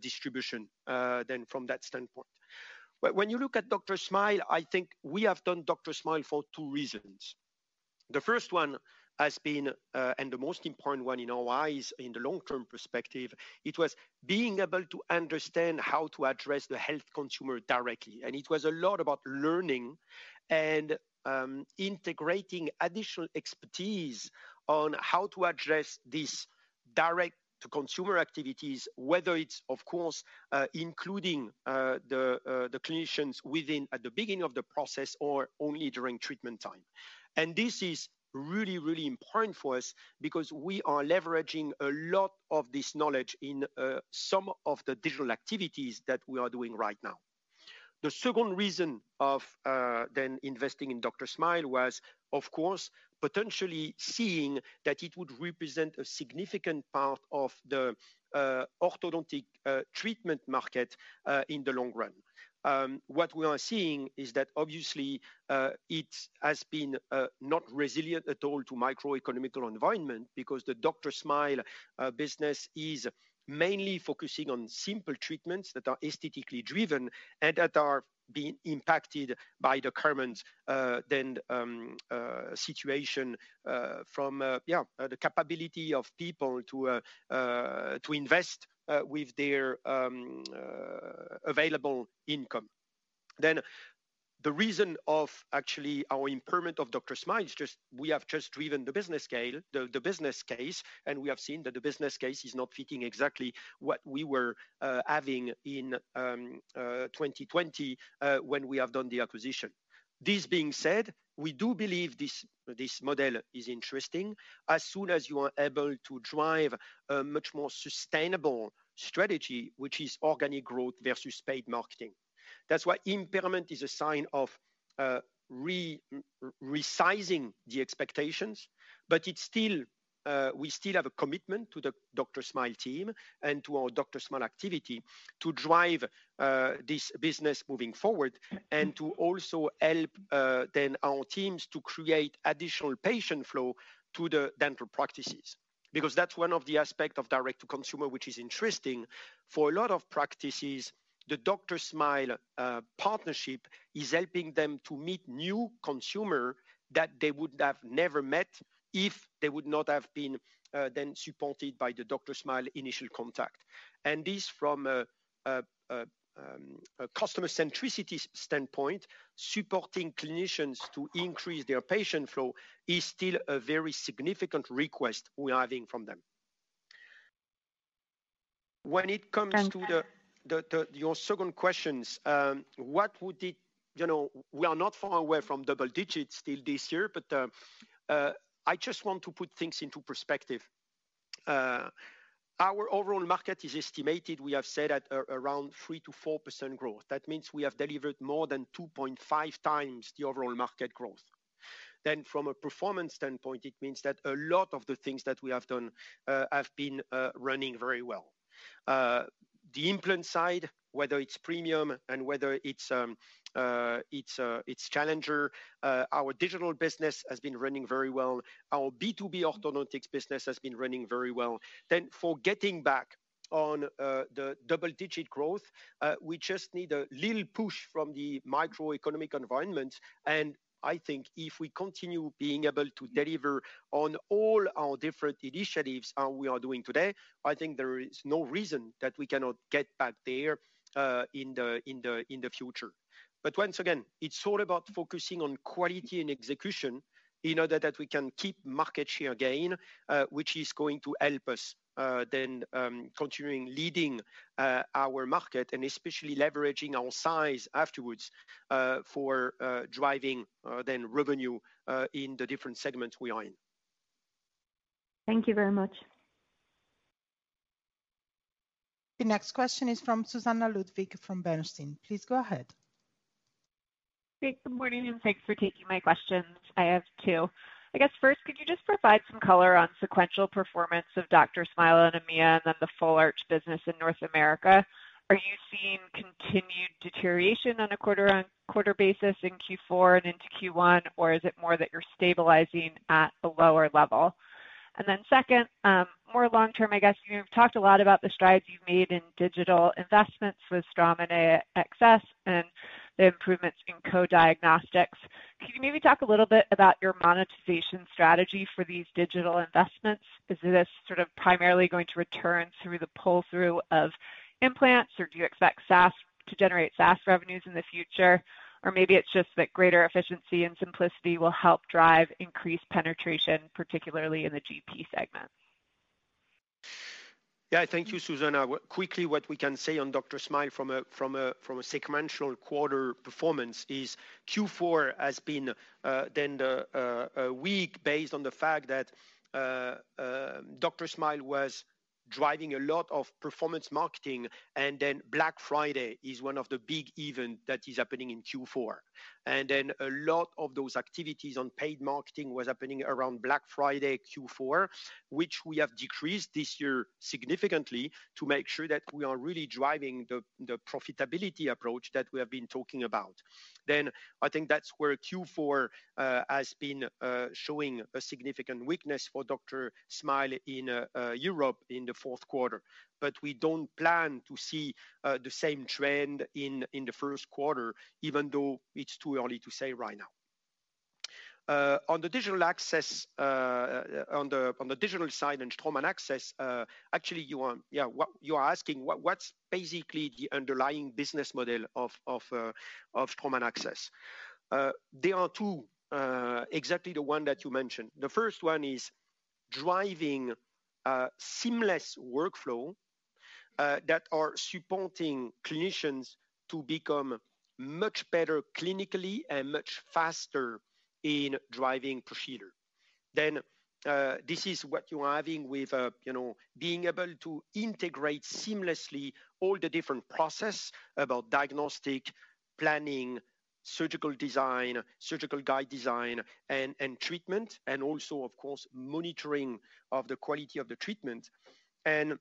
distribution then from that standpoint. When you look at DrSmile, I think we have done DrSmile for two reasons. The first one has been and the most important one in our eyes in the long-term perspective, it was being able to understand how to address the health consumer directly. It was a lot about learning and integrating additional expertise on how to address these direct-to-consumer activities, whether it's, of course, including the clinicians at the beginning of the process or only during treatment time. And this is really, really important for us because we are leveraging a lot of this knowledge in some of the digital activities that we are doing right now. The second reason for then investing in DrSmile was, of course, potentially seeing that it would represent a significant part of the orthodontic treatment market in the long run. What we are seeing is that, obviously, it has been not resilient at all to the microeconomic environment because the DrSmile business is mainly focusing on simple treatments that are aesthetically driven and that are being impacted by the current economic situation from the capability of people to invest with their available income. The reason of actually our impairment of DrSmile is just we have just driven the business case. We have seen that the business case is not fitting exactly what we were having in 2020 when we have done the acquisition. This being said, we do believe this model is interesting as soon as you are able to drive a much more sustainable strategy, which is organic growth versus paid marketing. That's why impairment is a sign of resizing the expectations. We still have a commitment to the DrSmile team and to our DrSmile activity to drive this business moving forward and to also help then our teams to create additional patient flow to the dental practices because that's one of the aspects of direct-to-consumer, which is interesting. For a lot of practices, the Dr. Smile partnership is helping them to meet new consumers that they would have never met if they would not have been then supported by the DrSmile initial contact. And this from a customer-centricity standpoint, supporting clinicians to increase their patient flow is still a very significant request we are having from them. When it comes to your second question, what would it be? We are not far away from double digits still this year. But I just want to put things into perspective. Our overall market is estimated, we have said, at around 3%-4% growth. That means we have delivered more than 2.5 times the overall market growth. Then from a performance standpoint, it means that a lot of the things that we have done have been running very well. The implant side, whether it's premium and whether it's challenger, our digital business has been running very well. Our B2B orthodontics business has been running very well. Then for getting back on the double-digit growth, we just need a little push from the microeconomic environment. And I think if we continue being able to deliver on all our different initiatives how we are doing today, I think there is no reason that we cannot get back there in the future. But once again, it's all about focusing on quality and execution in order that we can keep market share gain, which is going to help us then continuing leading our market and especially leveraging our size afterwards for driving then revenue in the different segments we are in. Thank you very much. The next question is from Susannah Ludwig from Bernstein. Please go ahead. Great. Good morning. And thanks for taking my questions. I have two. I guess first, could you just provide some color on sequential performance of DrSmile and EMEA and then the full-arch business in North America? Are you seeing continued deterioration on a quarter-on-quarter basis in Q4 and into Q1, or is it more that you're stabilizing at a lower level? And then second, more long-term, I guess you've talked a lot about the strides you've made in digital investments with Straumann AXS and the improvements in coDiagnostiX. Can you maybe talk a little bit about your monetization strategy for these digital investments? Is this sort of primarily going to return through the pull-through of implants, or do you expect to generate SaaS revenues in the future? Or maybe it's just that greater efficiency and simplicity will help drive increased penetration, particularly in the GP segment? Yeah, thank you, Susannah. Quickly, what we can say on DrSmile from a sequential quarter performance is Q4 has been then weak based on the fact that DrSmile was driving a lot of performance marketing. Then Black Friday is one of the big events that is happening in Q4. And then a lot of those activities on paid marketing were happening around Black Friday, Q4, which we have decreased this year significantly to make sure that we are really driving the profitability approach that we have been talking about. Then I think that's where Q4 has been showing a significant weakness for DrSmile in Europe in the fourth quarter. But we don't plan to see the same trend in the first quarter, even though it's too early to say right now. On the digital side and Straumann AXS, actually, yeah, you are asking what's basically the underlying business model of Straumann AXS. There are two, exactly the one that you mentioned. The first one is driving seamless workflow that are supporting clinicians to become much better clinically and much faster in driving procedure. Then this is what you are having with being able to integrate seamlessly all the different processes about diagnostic, planning, surgical design, surgical guide design, and treatment, and also, of course, monitoring of the quality of the treatment. And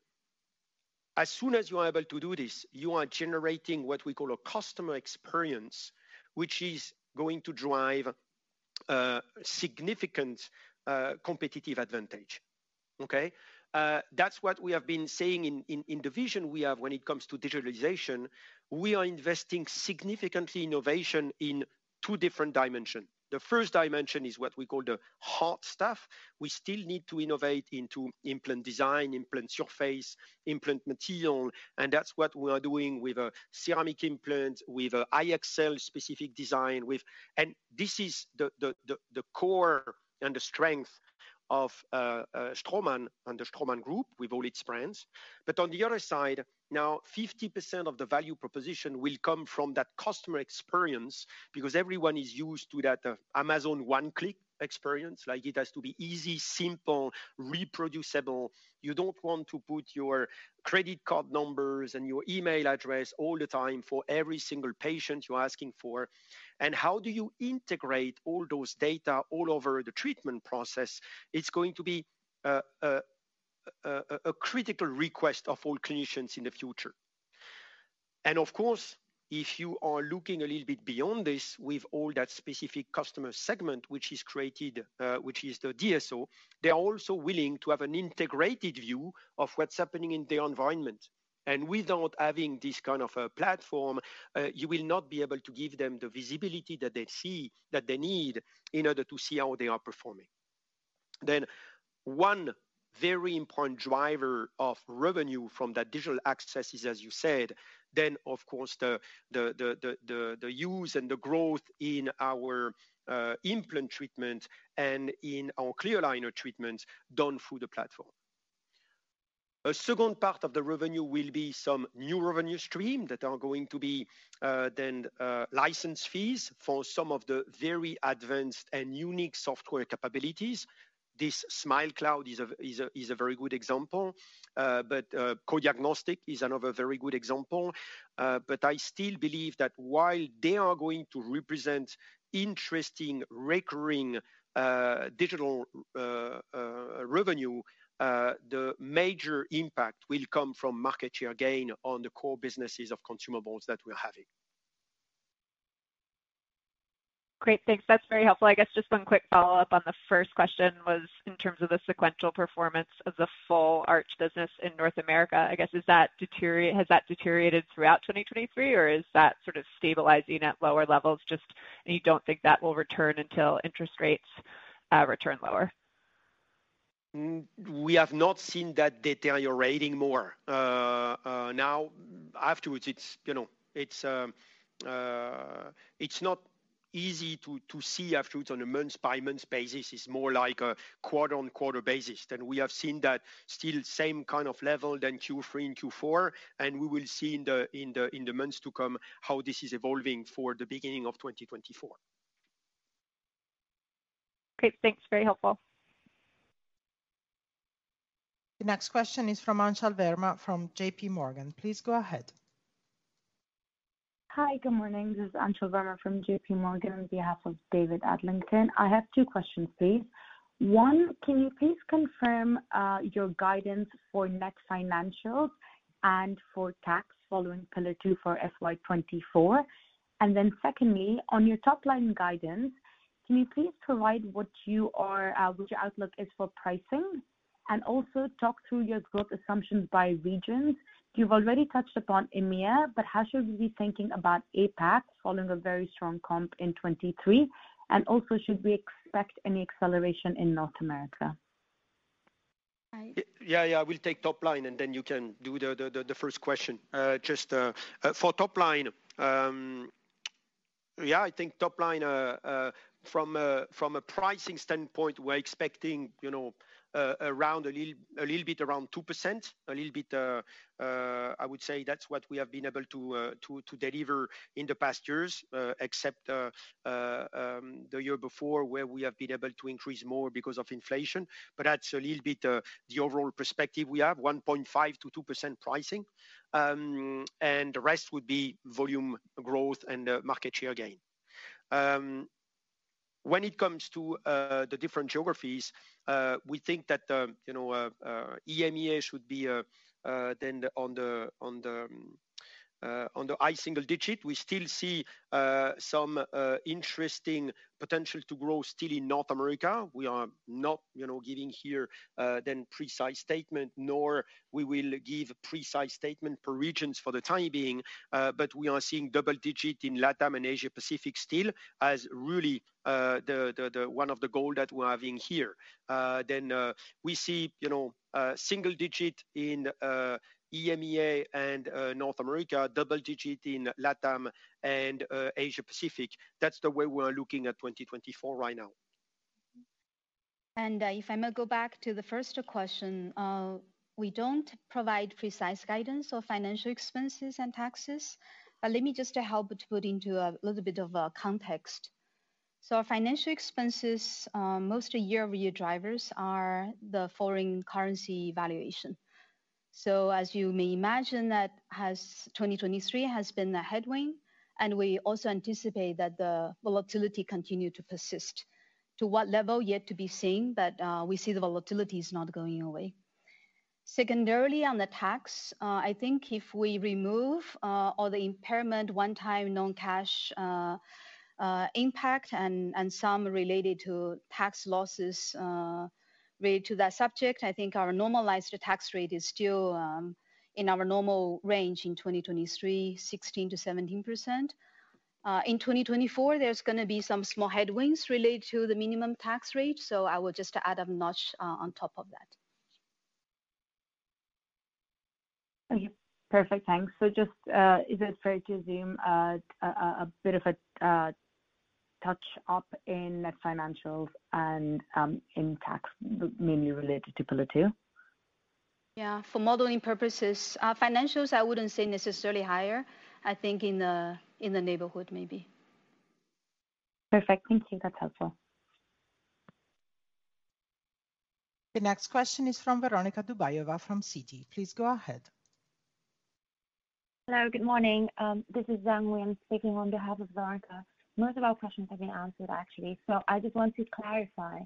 as soon as you are able to do this, you are generating what we call a customer experience, which is going to drive significant competitive advantage. Okay? That's what we have been saying in the vision we have when it comes to digitalization. We are investing significantly in innovation in two different dimensions. The first dimension is what we call the hard stuff. We still need to innovate into implant design, implant surface, implant material. And that's what we are doing with a ceramic implant, with a TLX-specific design. And this is the core and the strength of Straumann and the Straumann Group with all its brands. But on the other side, now, 50% of the value proposition will come from that customer experience because everyone is used to that Amazon one-click experience. It has to be easy, simple, reproducible. You don't want to put your credit card numbers and your email address all the time for every single patient you're asking for. And how do you integrate all those data all over the treatment process? It's going to be a critical request of all clinicians in the future. Of course, if you are looking a little bit beyond this with all that specific customer segment, which is created, which is the DSO, they are also willing to have an integrated view of what's happening in their environment. Without having this kind of a platform, you will not be able to give them the visibility that they need in order to see how they are performing. One very important driver of revenue from that digital access is, as you said, then, of course, the use and the growth in our implant treatment and in our clear aligner treatments done through the platform. A second part of the revenue will be some new revenue streams that are going to be then license fees for some of the very advanced and unique software capabilities. This SmileCloud is a very good example. coDiagnostiX is another very good example. But I still believe that while they are going to represent interesting recurring digital revenue, the major impact will come from market share gain on the core businesses of consumables that we are having. Great. Thanks. That's very helpful. I guess just one quick follow-up on the first question was in terms of the sequential performance of the full-arch business in North America. I guess has that deteriorated throughout 2023, or is that sort of stabilizing at lower levels just and you don't think that will return until interest rates return lower? We have not seen that deteriorating more. Now, afterwards, it's not easy to see afterwards on a month-by-month basis. It's more like a quarter-on-quarter basis. Then we have seen that still same kind of level then Q3 and Q4. We will see in the months to come how this is evolving for the beginning of 2024. Great. Thanks. Very helpful. The next question is from Anchal Verma from JPMorgan. Please go ahead. Hi. Good morning. This is Anchal Verma from JPMorgan on behalf of David Adlington. I have two questions, please. One, can you please confirm your guidance for net financials and for tax following Pillar Two for FY 2024? And then secondly, on your top-line guidance, can you please provide what your outlook is for pricing and also talk through your growth assumptions by regions? You've already touched upon EMEA, but how should we be thinking about APAC following a very strong comp in 2023? And also, should we expect any acceleration in North America? Yeah, yeah. I will take top-line, and then you can do the first question. Just for top-line, yeah, I think top-line, from a pricing standpoint, we're expecting around a little bit around 2%, a little bit I would say that's what we have been able to deliver in the past years, except the year before where we have been able to increase more because of inflation. But that's a little bit the overall perspective we have, 1.5%-2% pricing. And the rest would be volume growth and market share gain. When it comes to the different geographies, we think that EMEA should be then on the high single digit. We still see some interesting potential to grow still in North America. We are not giving here then precise statement, nor we will give precise statement per regions for the time being. We are seeing double-digit in LATAM and Asia-Pacific still as really one of the goals that we're having here. We see single-digit in EMEA and North America, double-digit in LATAM and Asia-Pacific. That's the way we are looking at 2024 right now. And if I may go back to the first question, we don't provide precise guidance on financial expenses and taxes. But let me just help to put into a little bit of context. So our financial expenses, most year-over-year drivers are the foreign currency valuation. So as you may imagine, 2023 has been a headwind. And we also anticipate that the volatility continues to persist to what level, yet to be seen. But we see the volatility is not going away. Secondarily, on the tax, I think if we remove all the impairment, one-time non-cash impact, and some related to tax losses related to that subject, I think our normalized tax rate is still in our normal range in 2023, 16%-17%. In 2024, there's going to be some small headwinds related to the minimum tax rate. So I will just add a notch on top of that. Perfect. Thanks. So just is it fair to zoom a bit of a touch up in net financials and in tax, mainly related to Pillar Two? Yeah. For modeling purposes, financials, I wouldn't say necessarily higher. I think in the neighborhood, maybe. Perfect. Thank you. That's helpful. The next question is from Veronika Dubajova from Citi. Please go ahead. Hello. Good morning. This is [Zang Wen] speaking on behalf of Veronika. Most of our questions have been answered, actually. I just want to clarify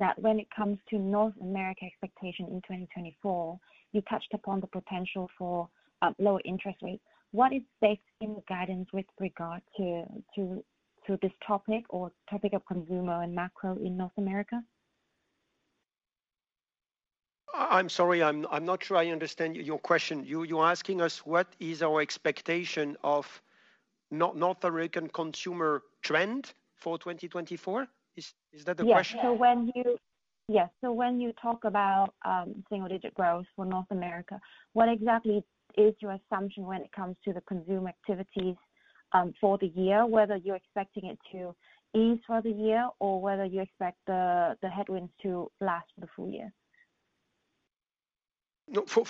that when it comes to North America expectation in 2024, you touched upon the potential for lower interest rates. What is safe in the guidance with regard to this topic or topic of consumer and macro in North America? I'm sorry. I'm not sure I understand your question. You're asking us what is our expectation of North American consumer trend for 2024? Is that the question? Yeah. So when you talk about single-digit growth for North America, what exactly is your assumption when it comes to the consumer activities for the year, whether you're expecting it to ease for the year or whether you expect the headwinds to last for the full year? For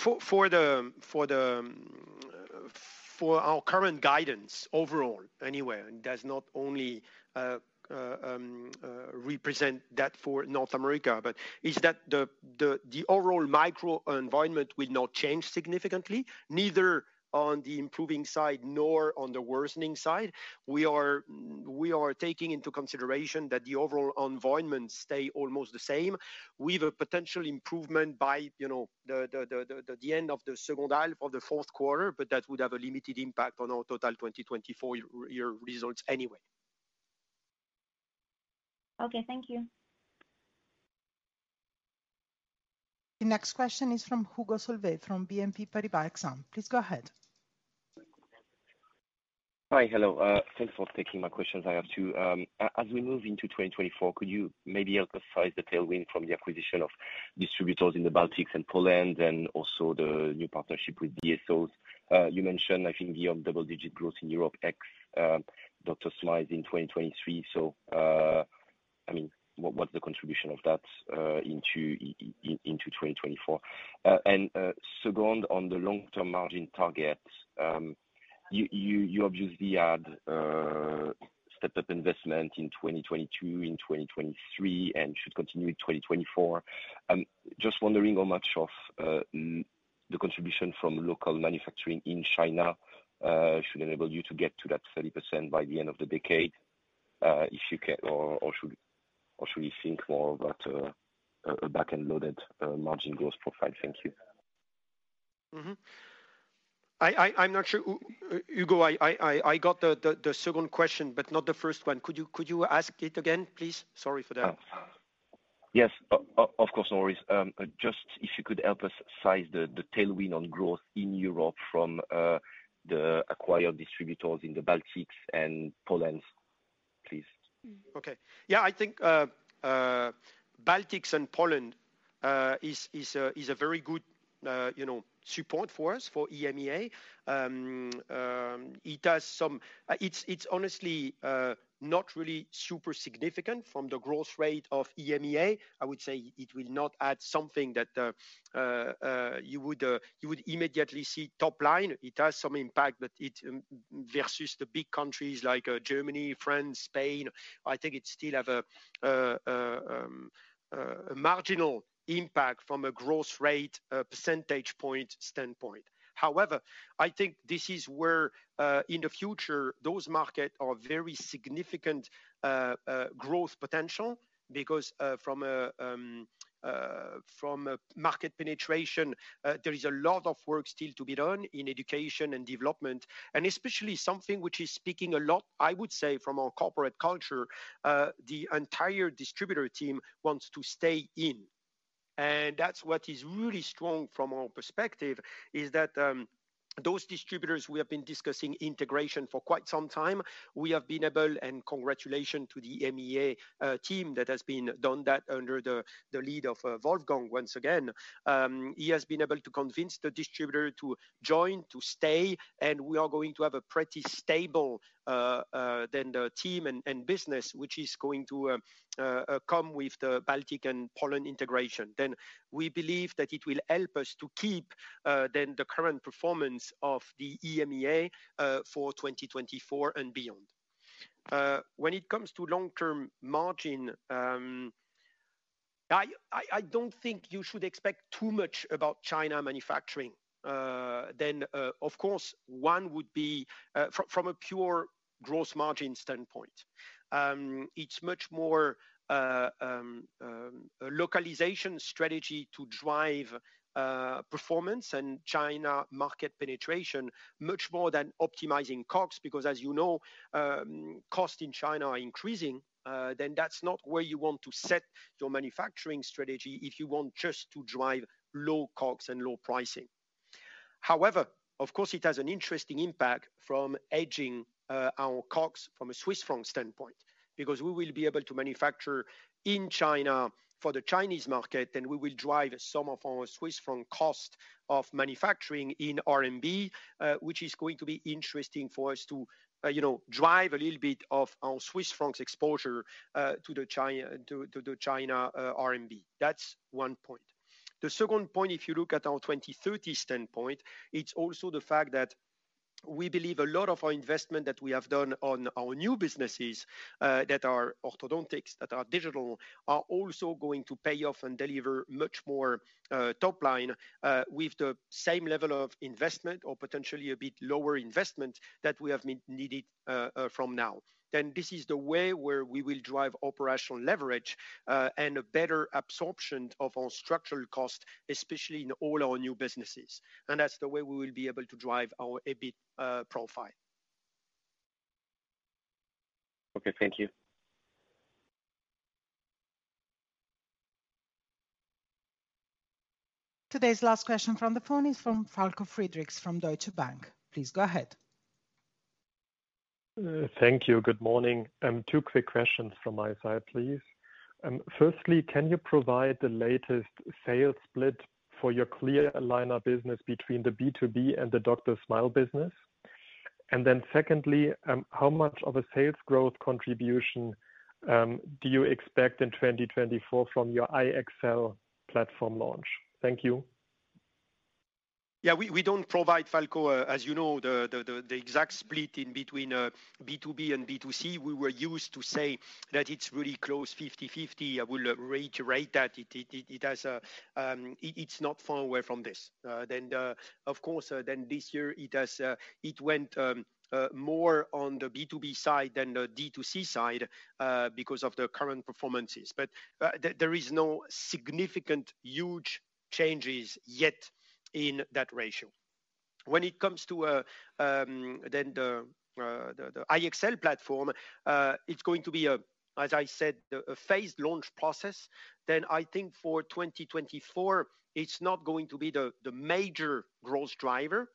our current guidance overall, anyway, it does not only represent that for North America, but is that the overall macro environment will not change significantly, neither on the improving side nor on the worsening side? We are taking into consideration that the overall environment stays almost the same with a potential improvement by the end of the second half of the fourth quarter. But that would have a limited impact on our total 2024 year results anyway. Okay. Thank you. The next question is from Hugo Solvet from BNP Paribas Exane. Please go ahead. Hi. Hello. Thanks for taking my questions. I have two. As we move into 2024, could you maybe emphasize the tailwind from the acquisition of distributors in the Baltics and Poland and also the new partnership with DSOs? You mentioned, I think, the double-digit growth in Europe ex DrSmile in 2023. So I mean, what's the contribution of that into 2024? And second, on the long-term margin targets, you obviously had stepped up investment in 2022, in 2023, and should continue in 2024. Just wondering how much of the contribution from local manufacturing in China should enable you to get to that 30% by the end of the decade if you can, or should you think more about a back-and-loaded margin growth profile? Thank you. I'm not sure. Hugo, I got the second question, but not the first one. Could you ask it again, please? Sorry for that. Yes. Of course. No worries. Just if you could help us size the tailwind on growth in Europe from the acquired distributors in the Baltics and Poland, please. Okay. Yeah. I think Baltics and Poland is a very good support for us for EMEA. It has some. It's honestly not really super significant from the growth rate of EMEA. I would say it will not add something that you would immediately see top-line. It has some impact, but versus the big countries like Germany, France, Spain, I think it still has a marginal impact from a growth rate percentage point standpoint. However, I think this is where, in the future, those markets are very significant growth potential because from market penetration, there is a lot of work still to be done in education and development, and especially something which is speaking a lot, I would say, from our corporate culture, the entire distributor team wants to stay in. That's what is really strong from our perspective: that those distributors we have been discussing integration for quite some time, we have been able to, and congratulations to the EMEA team that has been able to do that under the leadership of Wolfgang once again. He has been able to convince the distributor to join, to stay. We are going to have a pretty stable team and business which is going to come with the Baltic and Poland integration. We believe that it will help us to keep the current performance of the EMEA for 2024 and beyond. When it comes to long-term margin, I don't think you should expect too much about China manufacturing. Then, of course, one would be from a pure growth margin standpoint, it's much more a localization strategy to drive performance and China market penetration much more than optimizing COGS because, as you know, costs in China are increasing. Then that's not where you want to set your manufacturing strategy if you want just to drive low COGS and low pricing. However, of course, it has an interesting impact from hedging our COGS from a Swiss franc standpoint because we will be able to manufacture in China for the Chinese market. And we will drive some of our Swiss franc cost of manufacturing in RMB, which is going to be interesting for us to drive a little bit of our Swiss franc exposure to the China RMB. That's one point. The second point, if you look at our 2030 standpoint, it's also the fact that we believe a lot of our investment that we have done on our new businesses that are orthodontics, that are digital, are also going to pay off and deliver much more top-line with the same level of investment or potentially a bit lower investment that we have needed from now. Then this is the way where we will drive operational leverage and a better absorption of our structural cost, especially in all our new businesses. And that's the way we will be able to drive our EBIT profile. Okay. Thank you. Today's last question from the phone is from Falco Friedrichs from Deutsche Bank. Please go ahead. Thank you. Good morning. Two quick questions from my side, please. Firstly, can you provide the latest sales split for your Clear Aligner business between the B2B and the DrSmile business? And then secondly, how much of a sales growth contribution do you expect in 2024 from your iEXCEL platform launch? Thank you. Yeah. We don't provide, Falco, as you know, the exact split in between B2B and B2C. We were used to say that it's really close 50/50. I will reiterate that. It's not far away from this. Then, of course, this year, it went more on the B2B side than the D2C side because of the current performances. But there are no significant huge changes yet in that ratio. When it comes to then the TLX platform, it's going to be, as I said, a phased launch process. Then I think for 2024, it's not going to be the major growth driver.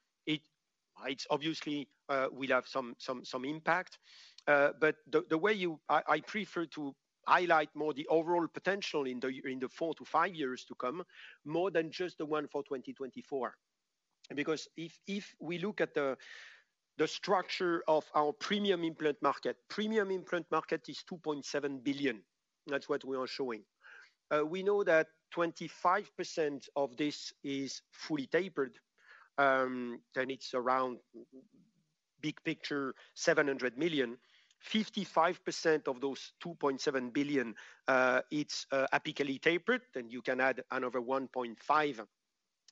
Obviously, we'll have some impact. But the way I prefer to highlight more the overall potential in the 4-5 years to come more than just the one for 2024 because if we look at the structure of our premium implant market, premium implant market is 2.7 billion. That's what we are showing. We know that 25% of this is fully tapered. Then it's around, big picture, 700 million. 55% of those 2.7 billion, it's apically tapered. Then you can add another 1.5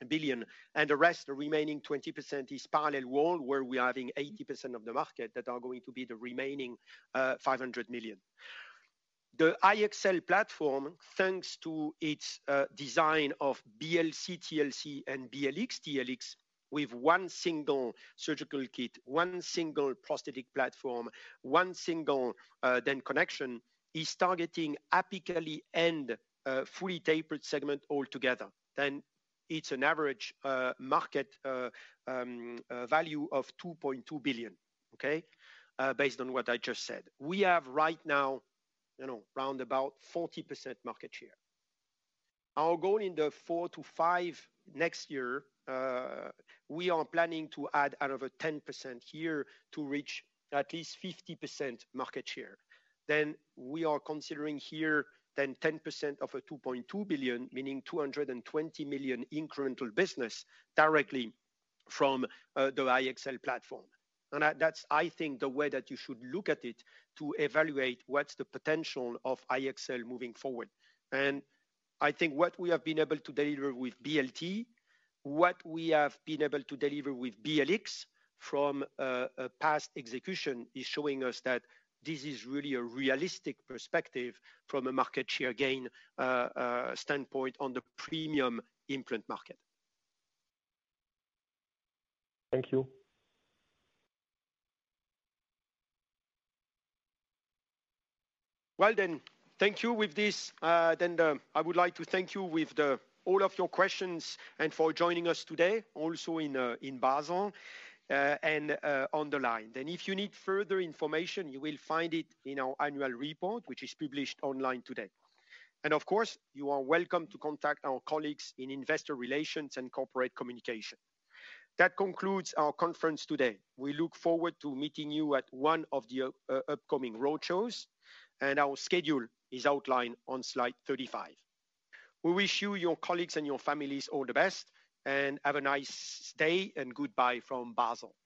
billion. And the rest, the remaining 20%, is parallel wall where we are having 80% of the market that are going to be the remaining 500 million. The iEXCEL platform, thanks to its design of BLC, TLC, and BLX, TLX with one single surgical kit, one single prosthetic platform, one single then connection, is targeting apically and fully tapered segment altogether. Then it's an average market value of 2.2 billion, okay, based on what I just said. We have right now round about 40% market share. Our goal in the four to five next year, we are planning to add another 10% here to reach at least 50% market share. Then we are considering here then 10% of a 2.2 billion, meaning 220 million incremental business directly from the iEXCEL platform. That's, I think, the way that you should look at it to evaluate what's the potential of iEXCEL moving forward. I think what we have been able to deliver with BLT, what we have been able to deliver with BLX from past execution is showing us that this is really a realistic perspective from a market share gain standpoint on the premium implant market. Thank you. Well then, thank you with this. Then I would like to thank you with all of your questions and for joining us today also in Basel and on the line. Then if you need further information, you will find it in our annual report which is published online today. And of course, you are welcome to contact our colleagues in investor relations and corporate communication. That concludes our conference today. We look forward to meeting you at one of the upcoming roadshows. And our schedule is outlined on slide 35. We wish you, your colleagues, and your families all the best and have a nice day and goodbye from Basel.